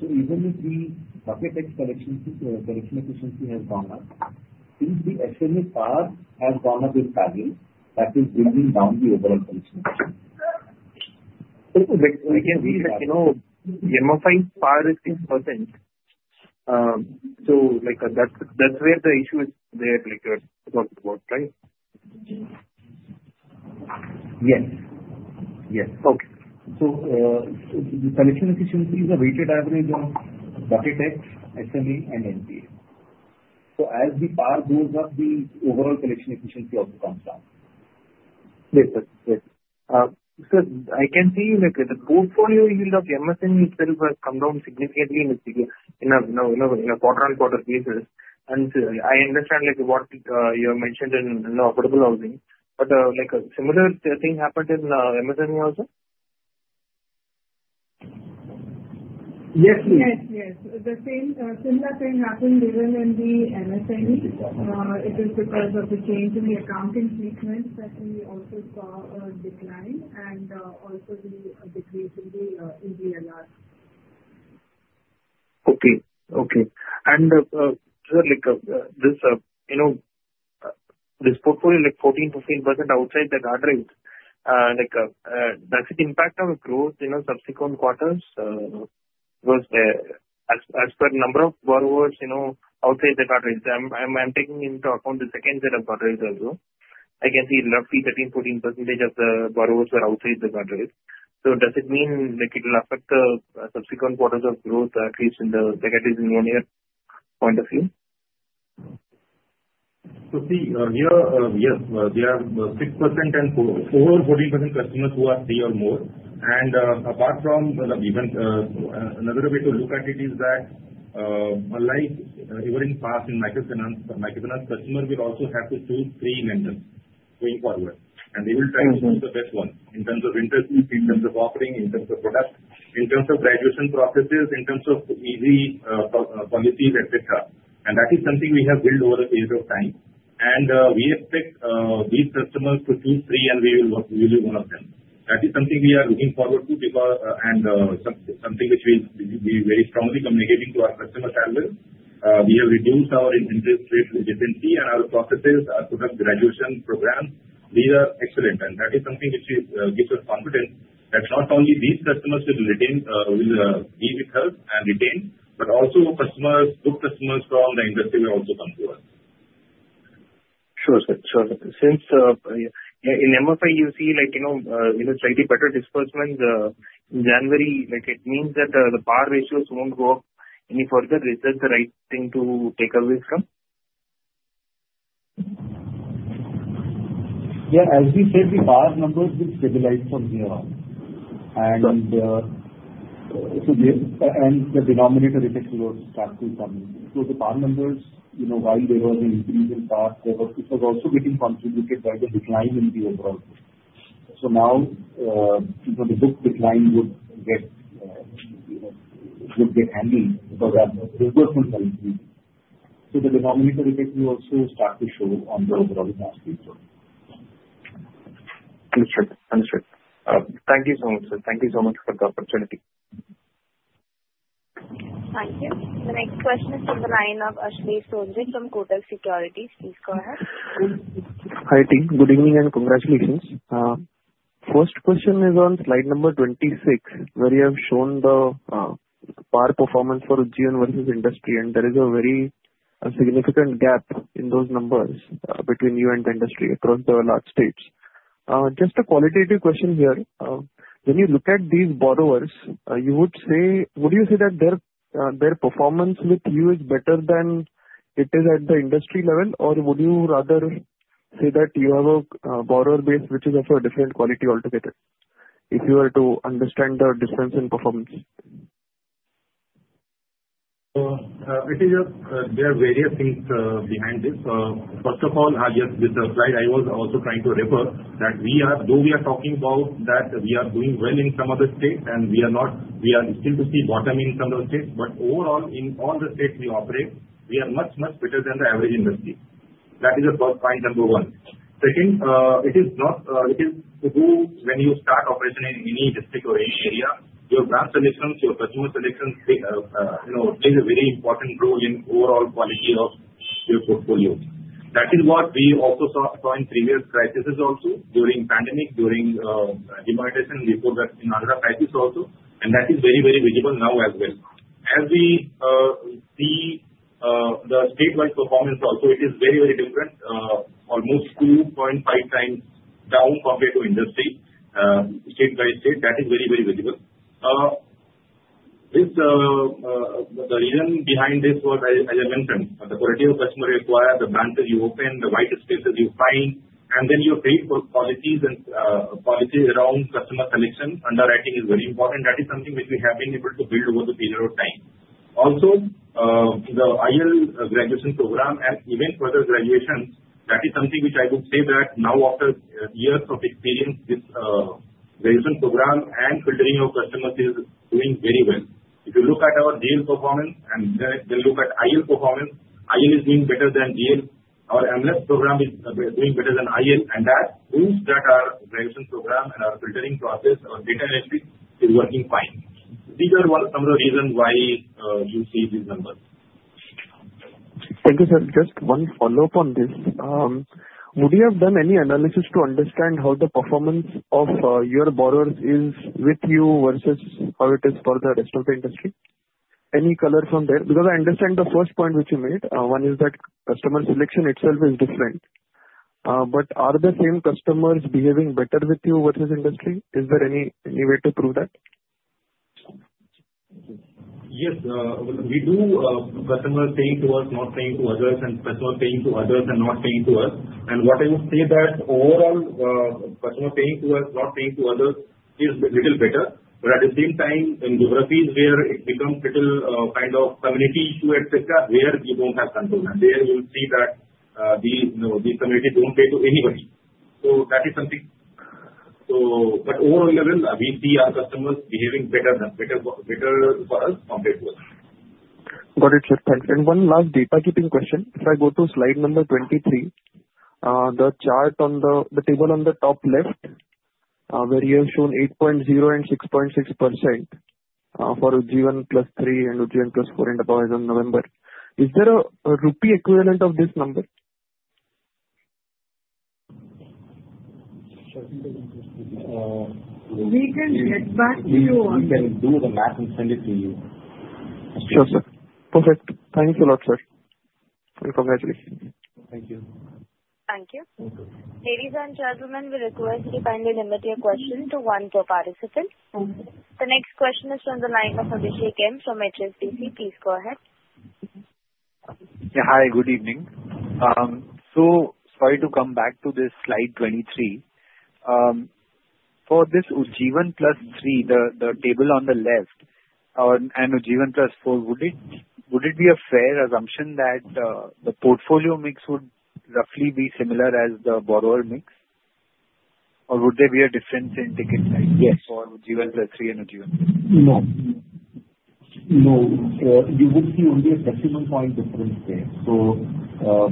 So even if the Bucket X collection efficiency has gone up, since the SMA PAR has gone up in value, that is bringing down the overall collection efficiency. So we can see that GNPA PAR is 6%. So that's where the issue is there about the book, right? Yes. Yes. Okay. So the collection efficiency is a weighted average of Bucket X, SMA, and NPA. So as the PAR goes up, the overall collection efficiency also comes down. Yes. Yes. Yes. Sir, I can see the portfolio yield of MSME itself has come down significantly in a quarter-on-quarter basis. I understand what you have mentioned in the affordable housing. But a similar thing happened in MSME also? Yes. Yes. Yes. The same similar thing happened in the MSME. It is because of the change in the accounting treatment that we also saw a decline and also the decrease in the EBLR. Okay. Okay. And sir, this portfolio 14%-15% outside the guardrails, does it impact our growth subsequent quarters? Because as per number of borrowers outside the guardrails, I'm taking into account the second set of guardrails also. I can see roughly 13%-14% of the borrowers are outside the guardrails. So does it mean it will affect the subsequent quarters of growth, at least in the negative in one year point of view? So see, here, yes, there are 6% and over 14% customers who are 3 or more. Apart from the event, another way to look at it is that unlike even in PAR, in microfinance, microfinance customers will also have to choose three lenders going forward. They will try to choose the best one in terms of interest, in terms of offering, in terms of product, in terms of graduation processes, in terms of easy policies, etc. That is something we have built over a period of time. We expect these customers to choose three, and we will use one of them. That is something we are looking forward to and something which we will be very strongly communicating to our customers as well. We have reduced our interest rate sensitivity and our processes, our product graduation programs. These are excellent. That is something which gives us confidence that not only these customers will be with us and retain, but also good customers from the industry will also come to us. Sure. Sure. Sure. Since in MFI, you see slightly better disbursements in January, it means that the PAR ratios won't go up any further. Is that the right thing to take away from? Yeah. As we said, the PAR numbers did stabilize from here on. The denominator effect will start to come. The PAR numbers, while there was an increase in PAR, it was also getting contributed by the decline in the overall book. Now the book decline would get handled because of disbursement value increasing. Understood. Understood. Thank you so much, sir. Thank you so much for the opportunity. Thank you. The next question is from the line of Ashlesh Sonje from Kotak Securities. Please go ahead. Hi, team. Good evening and congratulations. First question is on slide number 26, where you have shown the PAR performance for Ujjivan versus industry, and there is a very significant gap in those numbers between you and the industry across the large states. Just a qualitative question here. When you look at these borrowers, would you say that their performance with you is better than it is at the industry level, or would you rather say that you have a borrower base which is of a different quality altogether if you were to understand the difference in performance? There are various things behind this. First of all, with the slide, I was also trying to refer that though we are talking about that we are doing well in some of the states and we are still to see bottom in some of the states, but overall, in all the states we operate, we are much, much better than the average industry. That is the first point, number one. Second, it is true when you start operation in any district or any area, your group selections, your customer selections play a very important role in overall quality of your portfolio. That is what we also saw in previous crises also, during pandemic, during demonetization, before that, in other crises also. And that is very, very visible now as well. As we see the statewide performance also, it is very, very different, almost 2.5 times down compared to industry, state by state. That is very, very visible. The reason behind this was, as I mentioned, the quality of customer required, the branches you open, the white spaces you find, and then your credit policies around customer selection, underwriting is very important. That is something which we have been able to build over the period of time. Also, the IL graduation program and even further graduations, that is something which I would say that now, after years of experience with graduation program and filtering of customers, is doing very well. If you look at our GL performance and then look at IL performance, IL is doing better than GL. Our HL program is doing better than IL, and that proves that our graduation program and our filtering process, our data analytics, is working fine. These are some of the reasons why you see these numbers. Thank you, sir. Just one follow-up on this. Would you have done any analysis to understand how the performance of your borrowers is with you versus how it is for the rest of the industry? Any color from there? Because I understand the first point which you made, one is that customer selection itself is different. But are the same customers behaving better with you versus industry? Is there any way to prove that? Yes. We do customers paying to us, not paying to others, and customers paying to others and not paying to us. And what I would say that overall, customers paying to us, not paying to others is a little better. At the same time, in geographies where it becomes a little kind of community issue, etc., where you don't have control. There you will see that these communities don't pay to anybody. So that is something. But overall level, we see our customers behaving better for us compared to others. Got it, sir. Thanks. And one last data keeping question. If I go to slide number 23, the chart on the table on the top left, where you have shown 8.0% and 6.6% for Ujjivan plus 3 and Ujjivan plus 4 and above as of November, is there a Rupee equivalent of this number? We can get back to you. We can do the math and send it to you. Sure, sir. Perfect. Thank you a lot, sir. And congratulations. Thank you. Thank you. Ladies and gentlemen, we request you to kindly limit your question to one per participant. The next question is from the line of Abhishek Murarka from HSBC. Please go ahead. Yeah. Hi. Good evening. So sorry to come back to this slide 23. For this Ujjivan +3, the table on the left and Ujjivan +4, would it be a fair assumption that the portfolio mix would roughly be similar as the borrower mix? Or would there be a difference in ticket size for Ujjivan +3 and Ujjivan +4? No. No. You would see only a decimal point difference there. So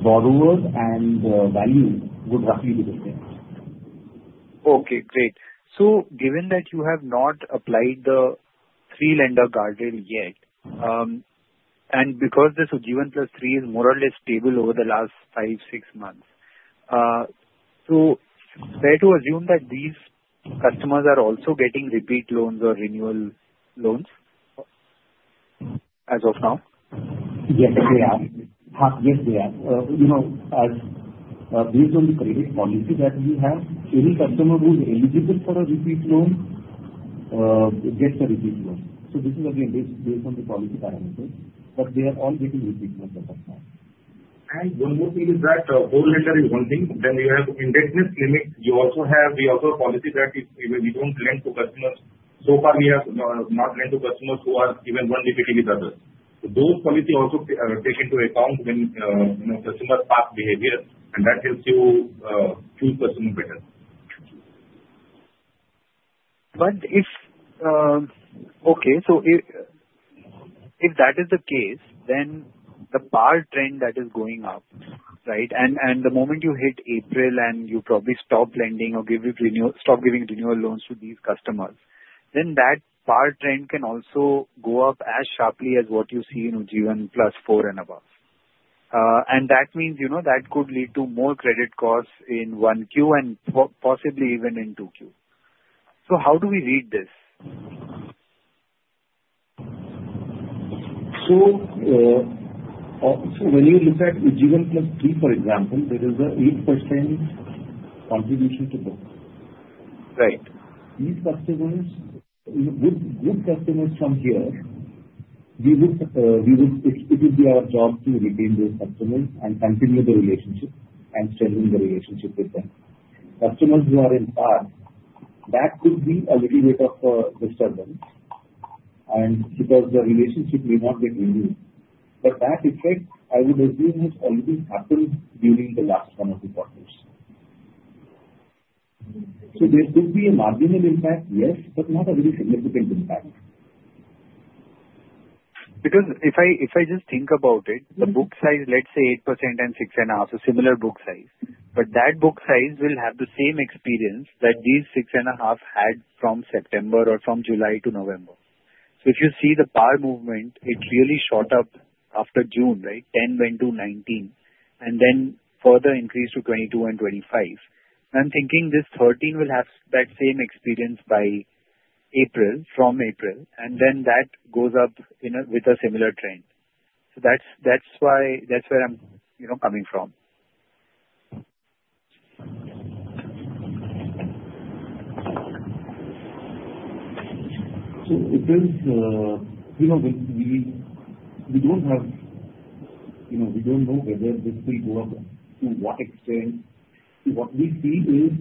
borrower and value would roughly be the same. Okay. Great. So given that you have not applied the three-lender guardrail yet, and because this Ujjivan +3 is more or less stable over the last five, six months, so fair to assume that these customers are also getting repeat loans or renewal loans as of now? Yes, they are. Yes, they are. Based on the credit policy that we have, any customer who is eligible for a repeat loan gets a repeat loan. So this is again based on the policy parameters. But they are all getting repeat loans as of now. And one more thing is that three-lender is one thing. Then you have indebtedness limit. We also have a policy that we don't lend to customers. So far, we have not lent to customers who are even one DPD with others. So those policies also take into account when customers' past behavior, and that helps you choose customers better. But if okay. So if that is the case, then the PAR trend that is going up, right, and the moment you hit April and you probably stop lending or stop giving renewal loans to these customers, then that PAR trend can also go up as sharply as what you see in Ujjivan +4 and above. That means that could lead to more credit costs in 1Q and possibly even in 2Q. How do we read this? When you look at Ujjivan +3, for example, there is an 8% contribution to book. These customers, good customers from here, it would be our job to retain those customers and continue the relationship and strengthen the relationship with them. Customers who are in PAR, that could be a little bit of a disturbance because the relationship may not be renewed. But that effect, I would assume, has already happened during the last one or two quarters. There could be a marginal impact, yes, but not a very significant impact. Because if I just think about it, the book size, let's say 8% and 6.5%, so similar book size. But that book size will have the same experience that these 6.5% had from September or from July to November. So if you see the PAR movement, it really shot up after June, right? 10 went to 19, and then further increased to 22 and 25. I'm thinking this 13 will have that same experience from April, and then that goes up with a similar trend. So that's where I'm coming from. So we don't know whether this will go up to what extent. What we see is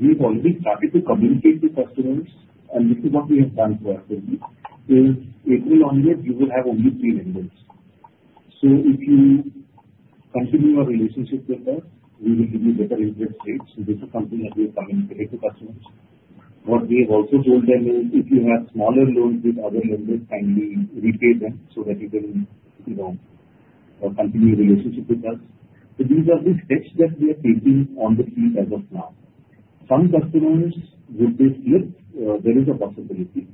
we've already started to communicate to customers, and this is what we have done for us. April onwards, you will have only three lenders. So if you continue your relationship with us, we will give you better interest rates. So this is something that we have communicated to customers. What we have also told them is if you have smaller loans with other lenders, kindly repay them so that you can continue your relationship with us. So these are the steps that we are taking on the field as of now. Some customers, would they flip? There is a possibility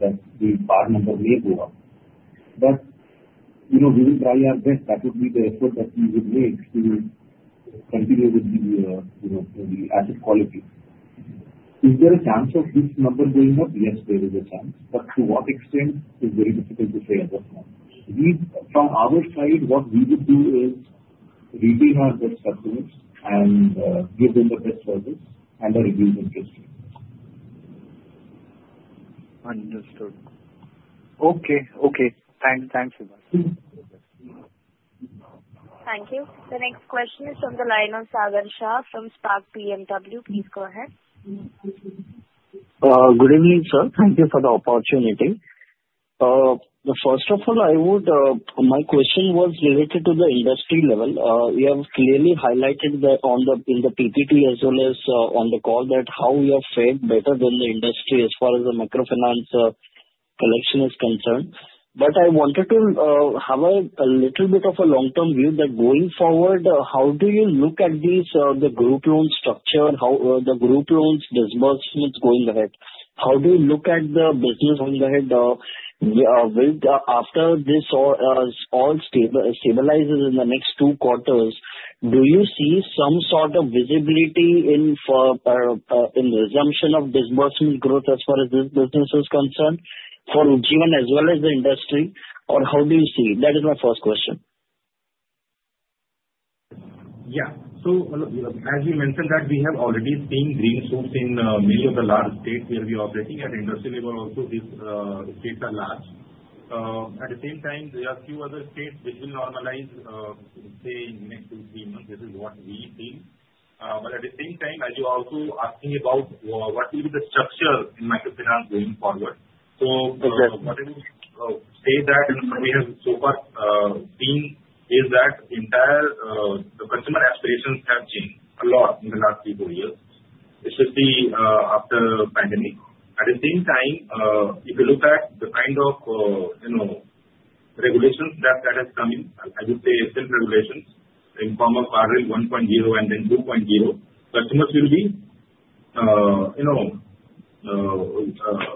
that the PAR number may go up. But we will try our best. That would be the effort that we would make to continue with the asset quality. Is there a chance of this number going up? Yes, there is a chance. But to what extent is very difficult to say as of now. From our side, what we would do is retain our good customers and give them the best service and a reduced interest rate. Understood. Okay. Okay. Thanks. Thanks, Abhishek. Thank you. The next question is from the line of Sagar Shah from Spark Capital. Please go ahead. Good evening, sir. Thank you for the opportunity. First of all, my question was related to the industry level. You have clearly highlighted in the PPT as well as on the call that how you have fared better than the industry as far as the microfinance collection is concerned. But I wanted to have a little bit of a long-term view that going forward, how do you look at the group loan structure, the group loans disbursements going ahead? How do you look at the business going ahead? After this all stabilizes in the next two quarters, do you see some sort of visibility in resumption of disbursement growth as far as this business is concerned for Ujjivan as well as the industry? Or how do you see? That is my first question. Yeah. As you mentioned that we have already seen green shoots in many of the large states where we are operating. At industry level also, these states are large. At the same time, there are a few other states which will normalize, say, in the next two, three months. This is what we see. At the same time, as you're also asking about what will be the structure in microfinance going forward, what I would say that we have so far seen is that the entire customer aspirations have changed a lot in the last three, four years. Especially after the pandemic. At the same time, if you look at the kind of regulations that are coming, I would say simple regulations in the form of rule 1.0 and then 2.0, customers will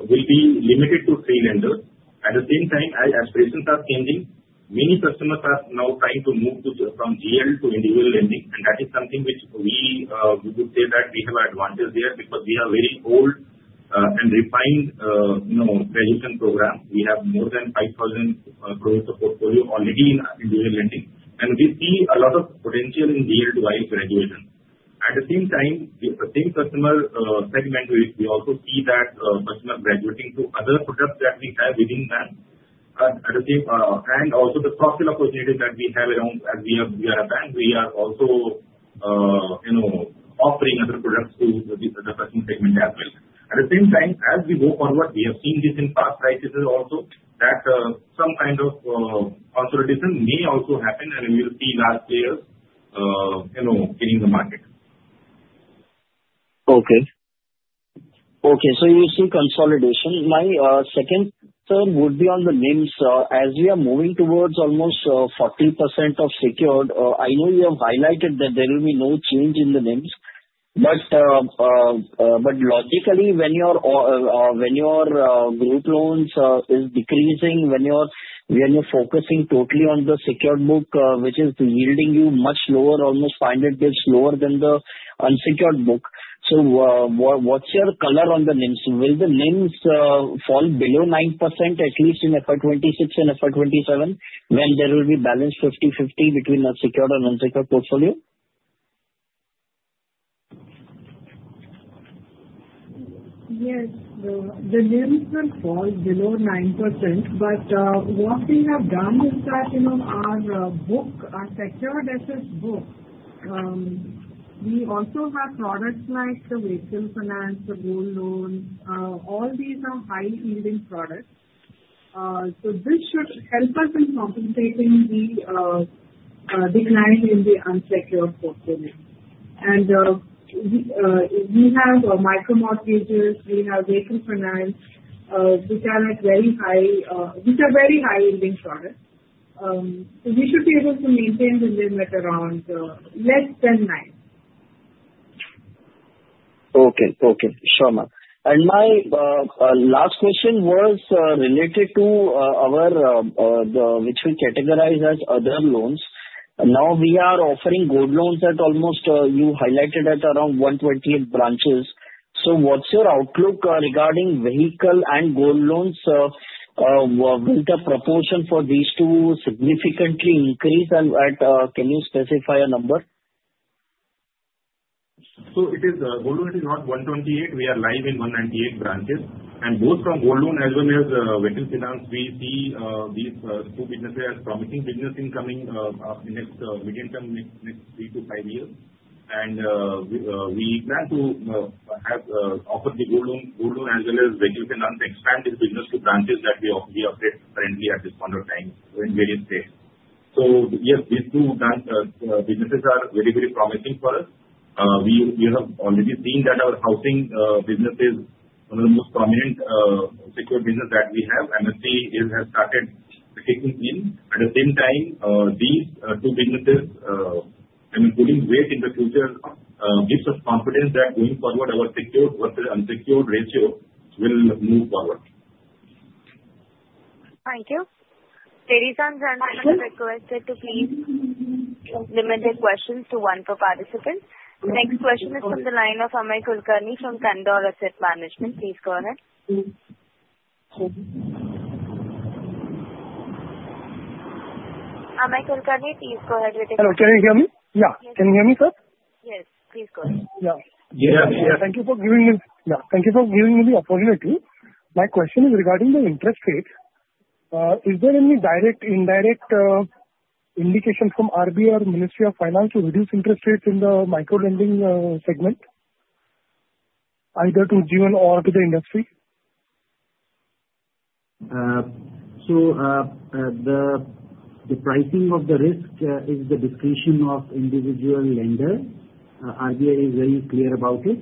be limited to three lenders. At the same time, as aspirations are changing, many customers are now trying to move from GL to individual lending. And that is something which we would say that we have an advantage there because we have very old and refined graduation programs. We have more than 5,000 crores of portfolio already in individual lending. And we see a lot of potential in GL to IL graduation. At the same time, the same customer segment, we also see that customers graduating to other products that we have within that. And also the soft skill opportunities that we have around, as we have a bank, we are also offering other products to the customer segment as well. At the same time, as we go forward, we have seen this in past crises also that some kind of consolidation may also happen, and we will see large players getting the market. Okay. Okay. So you see consolidation. My second question would be on the NIMs. As we are moving towards almost 40% of secured, I know you have highlighted that there will be no change in the NIMs. But logically, when your group loans are decreasing, when you're focusing totally on the secured book, which is yielding you much lower, almost 500 basis points lower than the unsecured book, so what's your color on the NIMs? Will the NIMs fall below 9%, at least in FY 26 and FY 27, when there will be balance 50/50 between a secured and unsecured portfolio? Yes. The NIMs will fall below 9%. But what we have done is that our book, our secured assets book, we also have products like the Retail Finance, the home loan. All these are high-yielding products. So this should help us in compensating the decline in the unsecured portfolio. We have Micro Mortgages. We have Retail Finance, which are at very high, which are very high-yielding products. So we should be able to maintain the limit around less than 9. Okay. Okay. Sure. And my last question was related to which we categorize as other loans. Now we are offering Gold Loans at almost, you highlighted at around 128 branches. So what's your outlook regarding vehicle and Gold Loans? Will the proportion for these two significantly increase? And can you specify a number? So Gold Loans are not 128. We are live in 198 branches. And both from Gold Loans as well as Retail Finance, we see these two businesses as promising business incoming in the medium term, next three to five years. And we plan to offer the gold loan as well as Retail Finance, expand this business to branches that we operate currently at this point of time in various states. Yes, these two businesses are very, very promising for us. We have already seen that our housing business is one of the most prominent secured businesses that we have. MSME has started taking in. At the same time, these two businesses are putting weight in the future. This gives us confidence that going forward, our secured versus unsecured ratio will move forward. Thank you. Ladies and gentlemen, we request you to please limit the questions to one per participant. Next question is from the line of Amey Kulkarni from Canara Robeco Asset Management. Please go ahead. Amey Kulkarni, please go ahead with the question. Hello. Can you hear me? Yeah. Can you hear me, sir? Yes. Please go ahead. Yeah. Thank you for giving me the opportunity. My question is regarding the interest rate. Is there any direct, indirect indication from RBI or Ministry of Finance to reduce interest rates in the microlending segment, either to Ujjivan or to the industry? So the pricing of the risk is the discretion of individual lenders. RBI is very clear about it.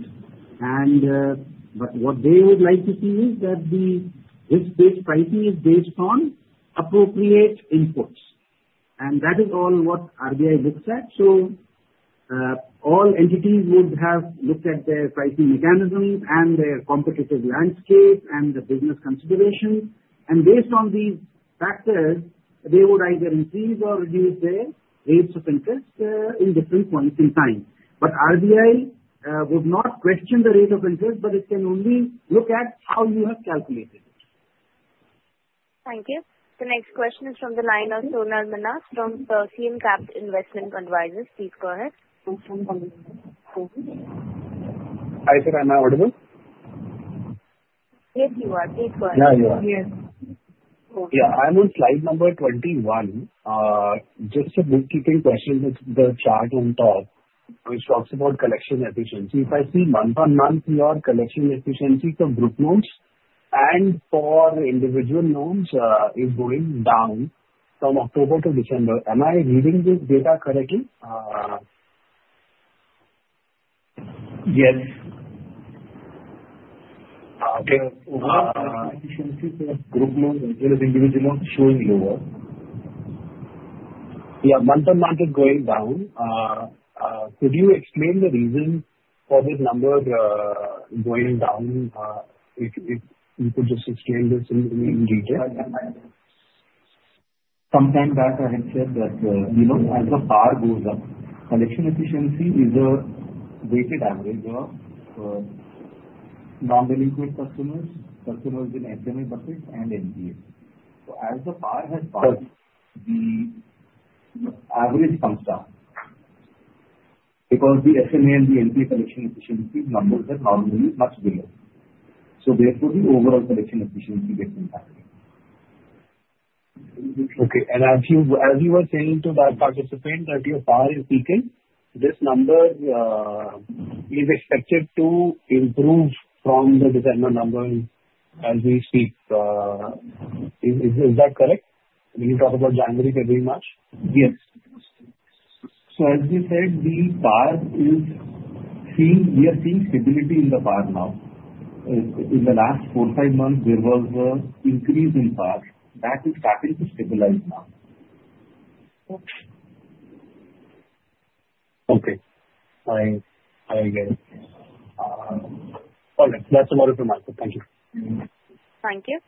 And what they would like to see is that the risk-based pricing is based on appropriate inputs. And that is all what RBI looks at. So all entities would have looked at their pricing mechanisms and their competitive landscape and the business considerations. And based on these factors, they would either increase or reduce their rates of interest in different points in time. But RBI would not question the rate of interest, but it can only look at how you have calculated it. Thank you. The next question is from the line of Sonal Minhas from Prescient Capital. Please go ahead. Hi, sir. Am I audible? Yes, you are. Please go ahead. I'm on slide number 21. Just a bookkeeping question. The chart on top, which talks about collection efficiency. If I see month-on-month, your collection efficiency for group loans and for individual loans is going down from October to December. Am I reading this data correctly? Yes. Okay. Group loans as well as individual loans showing lower. Yeah. Month-on-month is going down. Could you explain the reason for this number going down? If you could just explain this in detail. Sometimes that I have said that as the bar goes up, collection efficiency is a weighted average of non-delinquent customers, customers in SMA buckets, and NPAs. So as the PAR has gone, the average comes down because the SMA and the NPA collection efficiency numbers are normally much below. So therefore, the overall collection efficiency gets impacted. Okay. And as you were saying to that participant that your PAR is peaking, this number is expected to improve from the December numbers as we speak. Is that correct? When you talk about January, February, March? Yes. So as we said, the PAR is, we are seeing stability in the PAR now. In the last four, five months, there was an increase in PAR. That is starting to stabilize now. Okay. I get it. All right. That's about it from my side. Thank you. Thank you.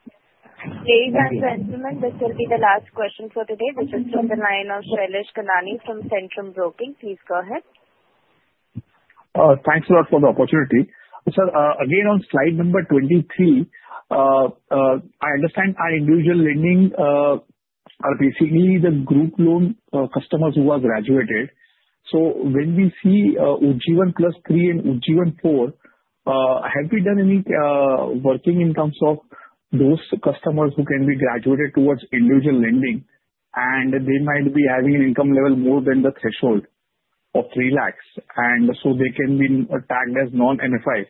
Ladies and gentlemen, this will be the last question for today, which is from the line of Shailesh Kanani from Centrum Broking. Please go ahead. Thanks a lot for the opportunity. Sir, again, on slide number 23, I understand our individual lending are basically the group loan customers who are graduated. So when we see Ujjivan +3 and Ujjivan 4, have we done any working in terms of those customers who can be graduated towards individual lending? And they might be having an income level more than the threshold of 3 lakhs. And so they can be tagged as non-MFI.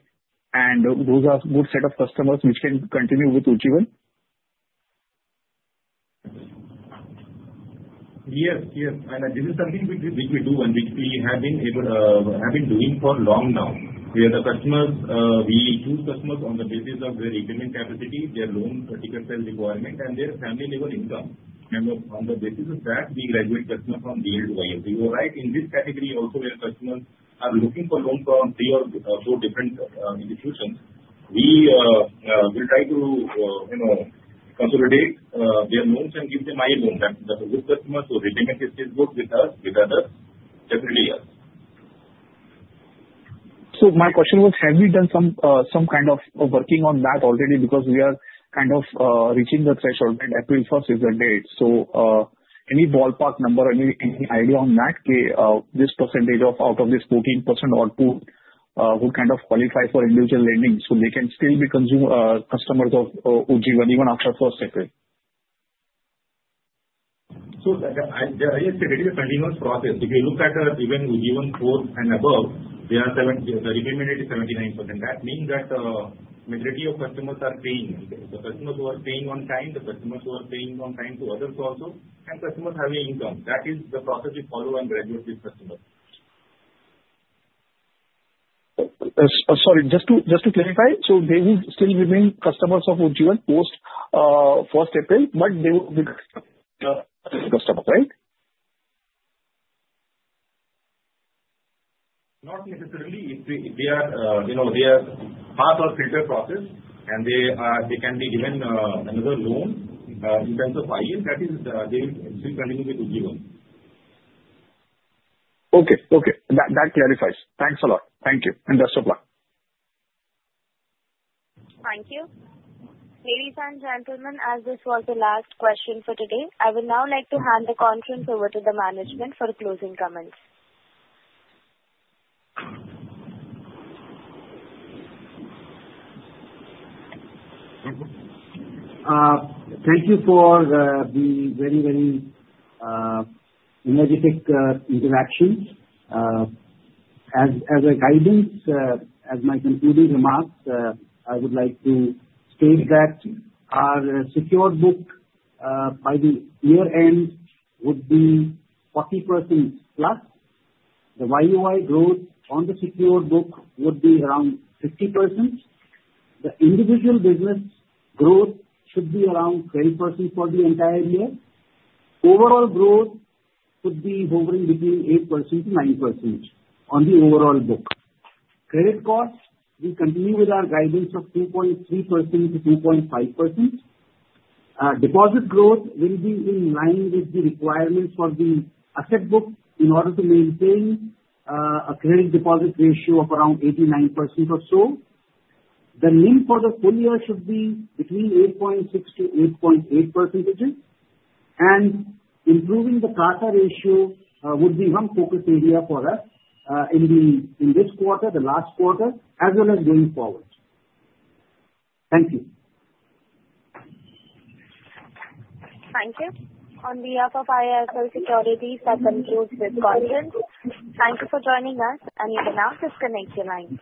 And those are a good set of customers which can continue with Ujjivan? Yes. Yes. And this is something which we do and which we have been doing for long now. We have the customers, we choose customers on the basis of their repayment capacity, their loan ticket sales requirement, and their family-level income. And on the basis of that, we graduate customers from GL to IL. We go right in this category also where customers are looking for loans from three or four different institutions. We will try to consolidate their loans and give them IL loans. That's a good customer. So repayment history is good with us, with others. Definitely yes. So my question was, have we done some kind of working on that already? Because we are kind of reaching the threshold, right? April 1st is the date. So any ballpark number, any idea on that? This percentage out of this 14% output would kind of qualify for individual lending. So they can still be customers of Ujjivan even after first cycle. So it's a continuous process. If you look at even Ujjivan 4 and above, the repayment rate is 79%. That means that the majority of customers are paying. The customers who are paying on time, the customers who are paying on time to others also, and customers having income. That is the process we follow and graduate with customers. Sorry. Just to clarify, so they will still remain customers of Ujjivan post 1st April, but they will be customers, right? Not necessarily. If they are part of the filter process and they can be given another loan in terms of IL, that is, they will still continue with Ujjivan. Okay. Okay. That clarifies. Thanks a lot. Thank you. And best of luck. Thank you. Ladies and gentlemen, as this was the last question for today, I would now like to hand the conference over to the management for closing comments. Thank you for the very, very energetic interactions. As a guidance, as my concluding remarks, I would like to state that our secured book by the year-end would be 40%+. The YoY growth on the secured book would be around 50%. The individual business growth should be around 10% for the entire year. Overall growth could be hovering between 8%-9% on the overall book. Credit cost, we continue with our guidance of 2.3%-2.5%. Deposit growth will be in line with the requirements for the asset book in order to maintain a credit-deposit ratio of around 89% or so. The need for the full year should be between 8.6%-8.8%. And improving the CASA ratio would be one focus area for us in this quarter, the last quarter, as well as going forward. Thank you. Thank you. On behalf of IIFL Securities, that concludes this conference. Thank you for joining us, and you can now disconnect your line.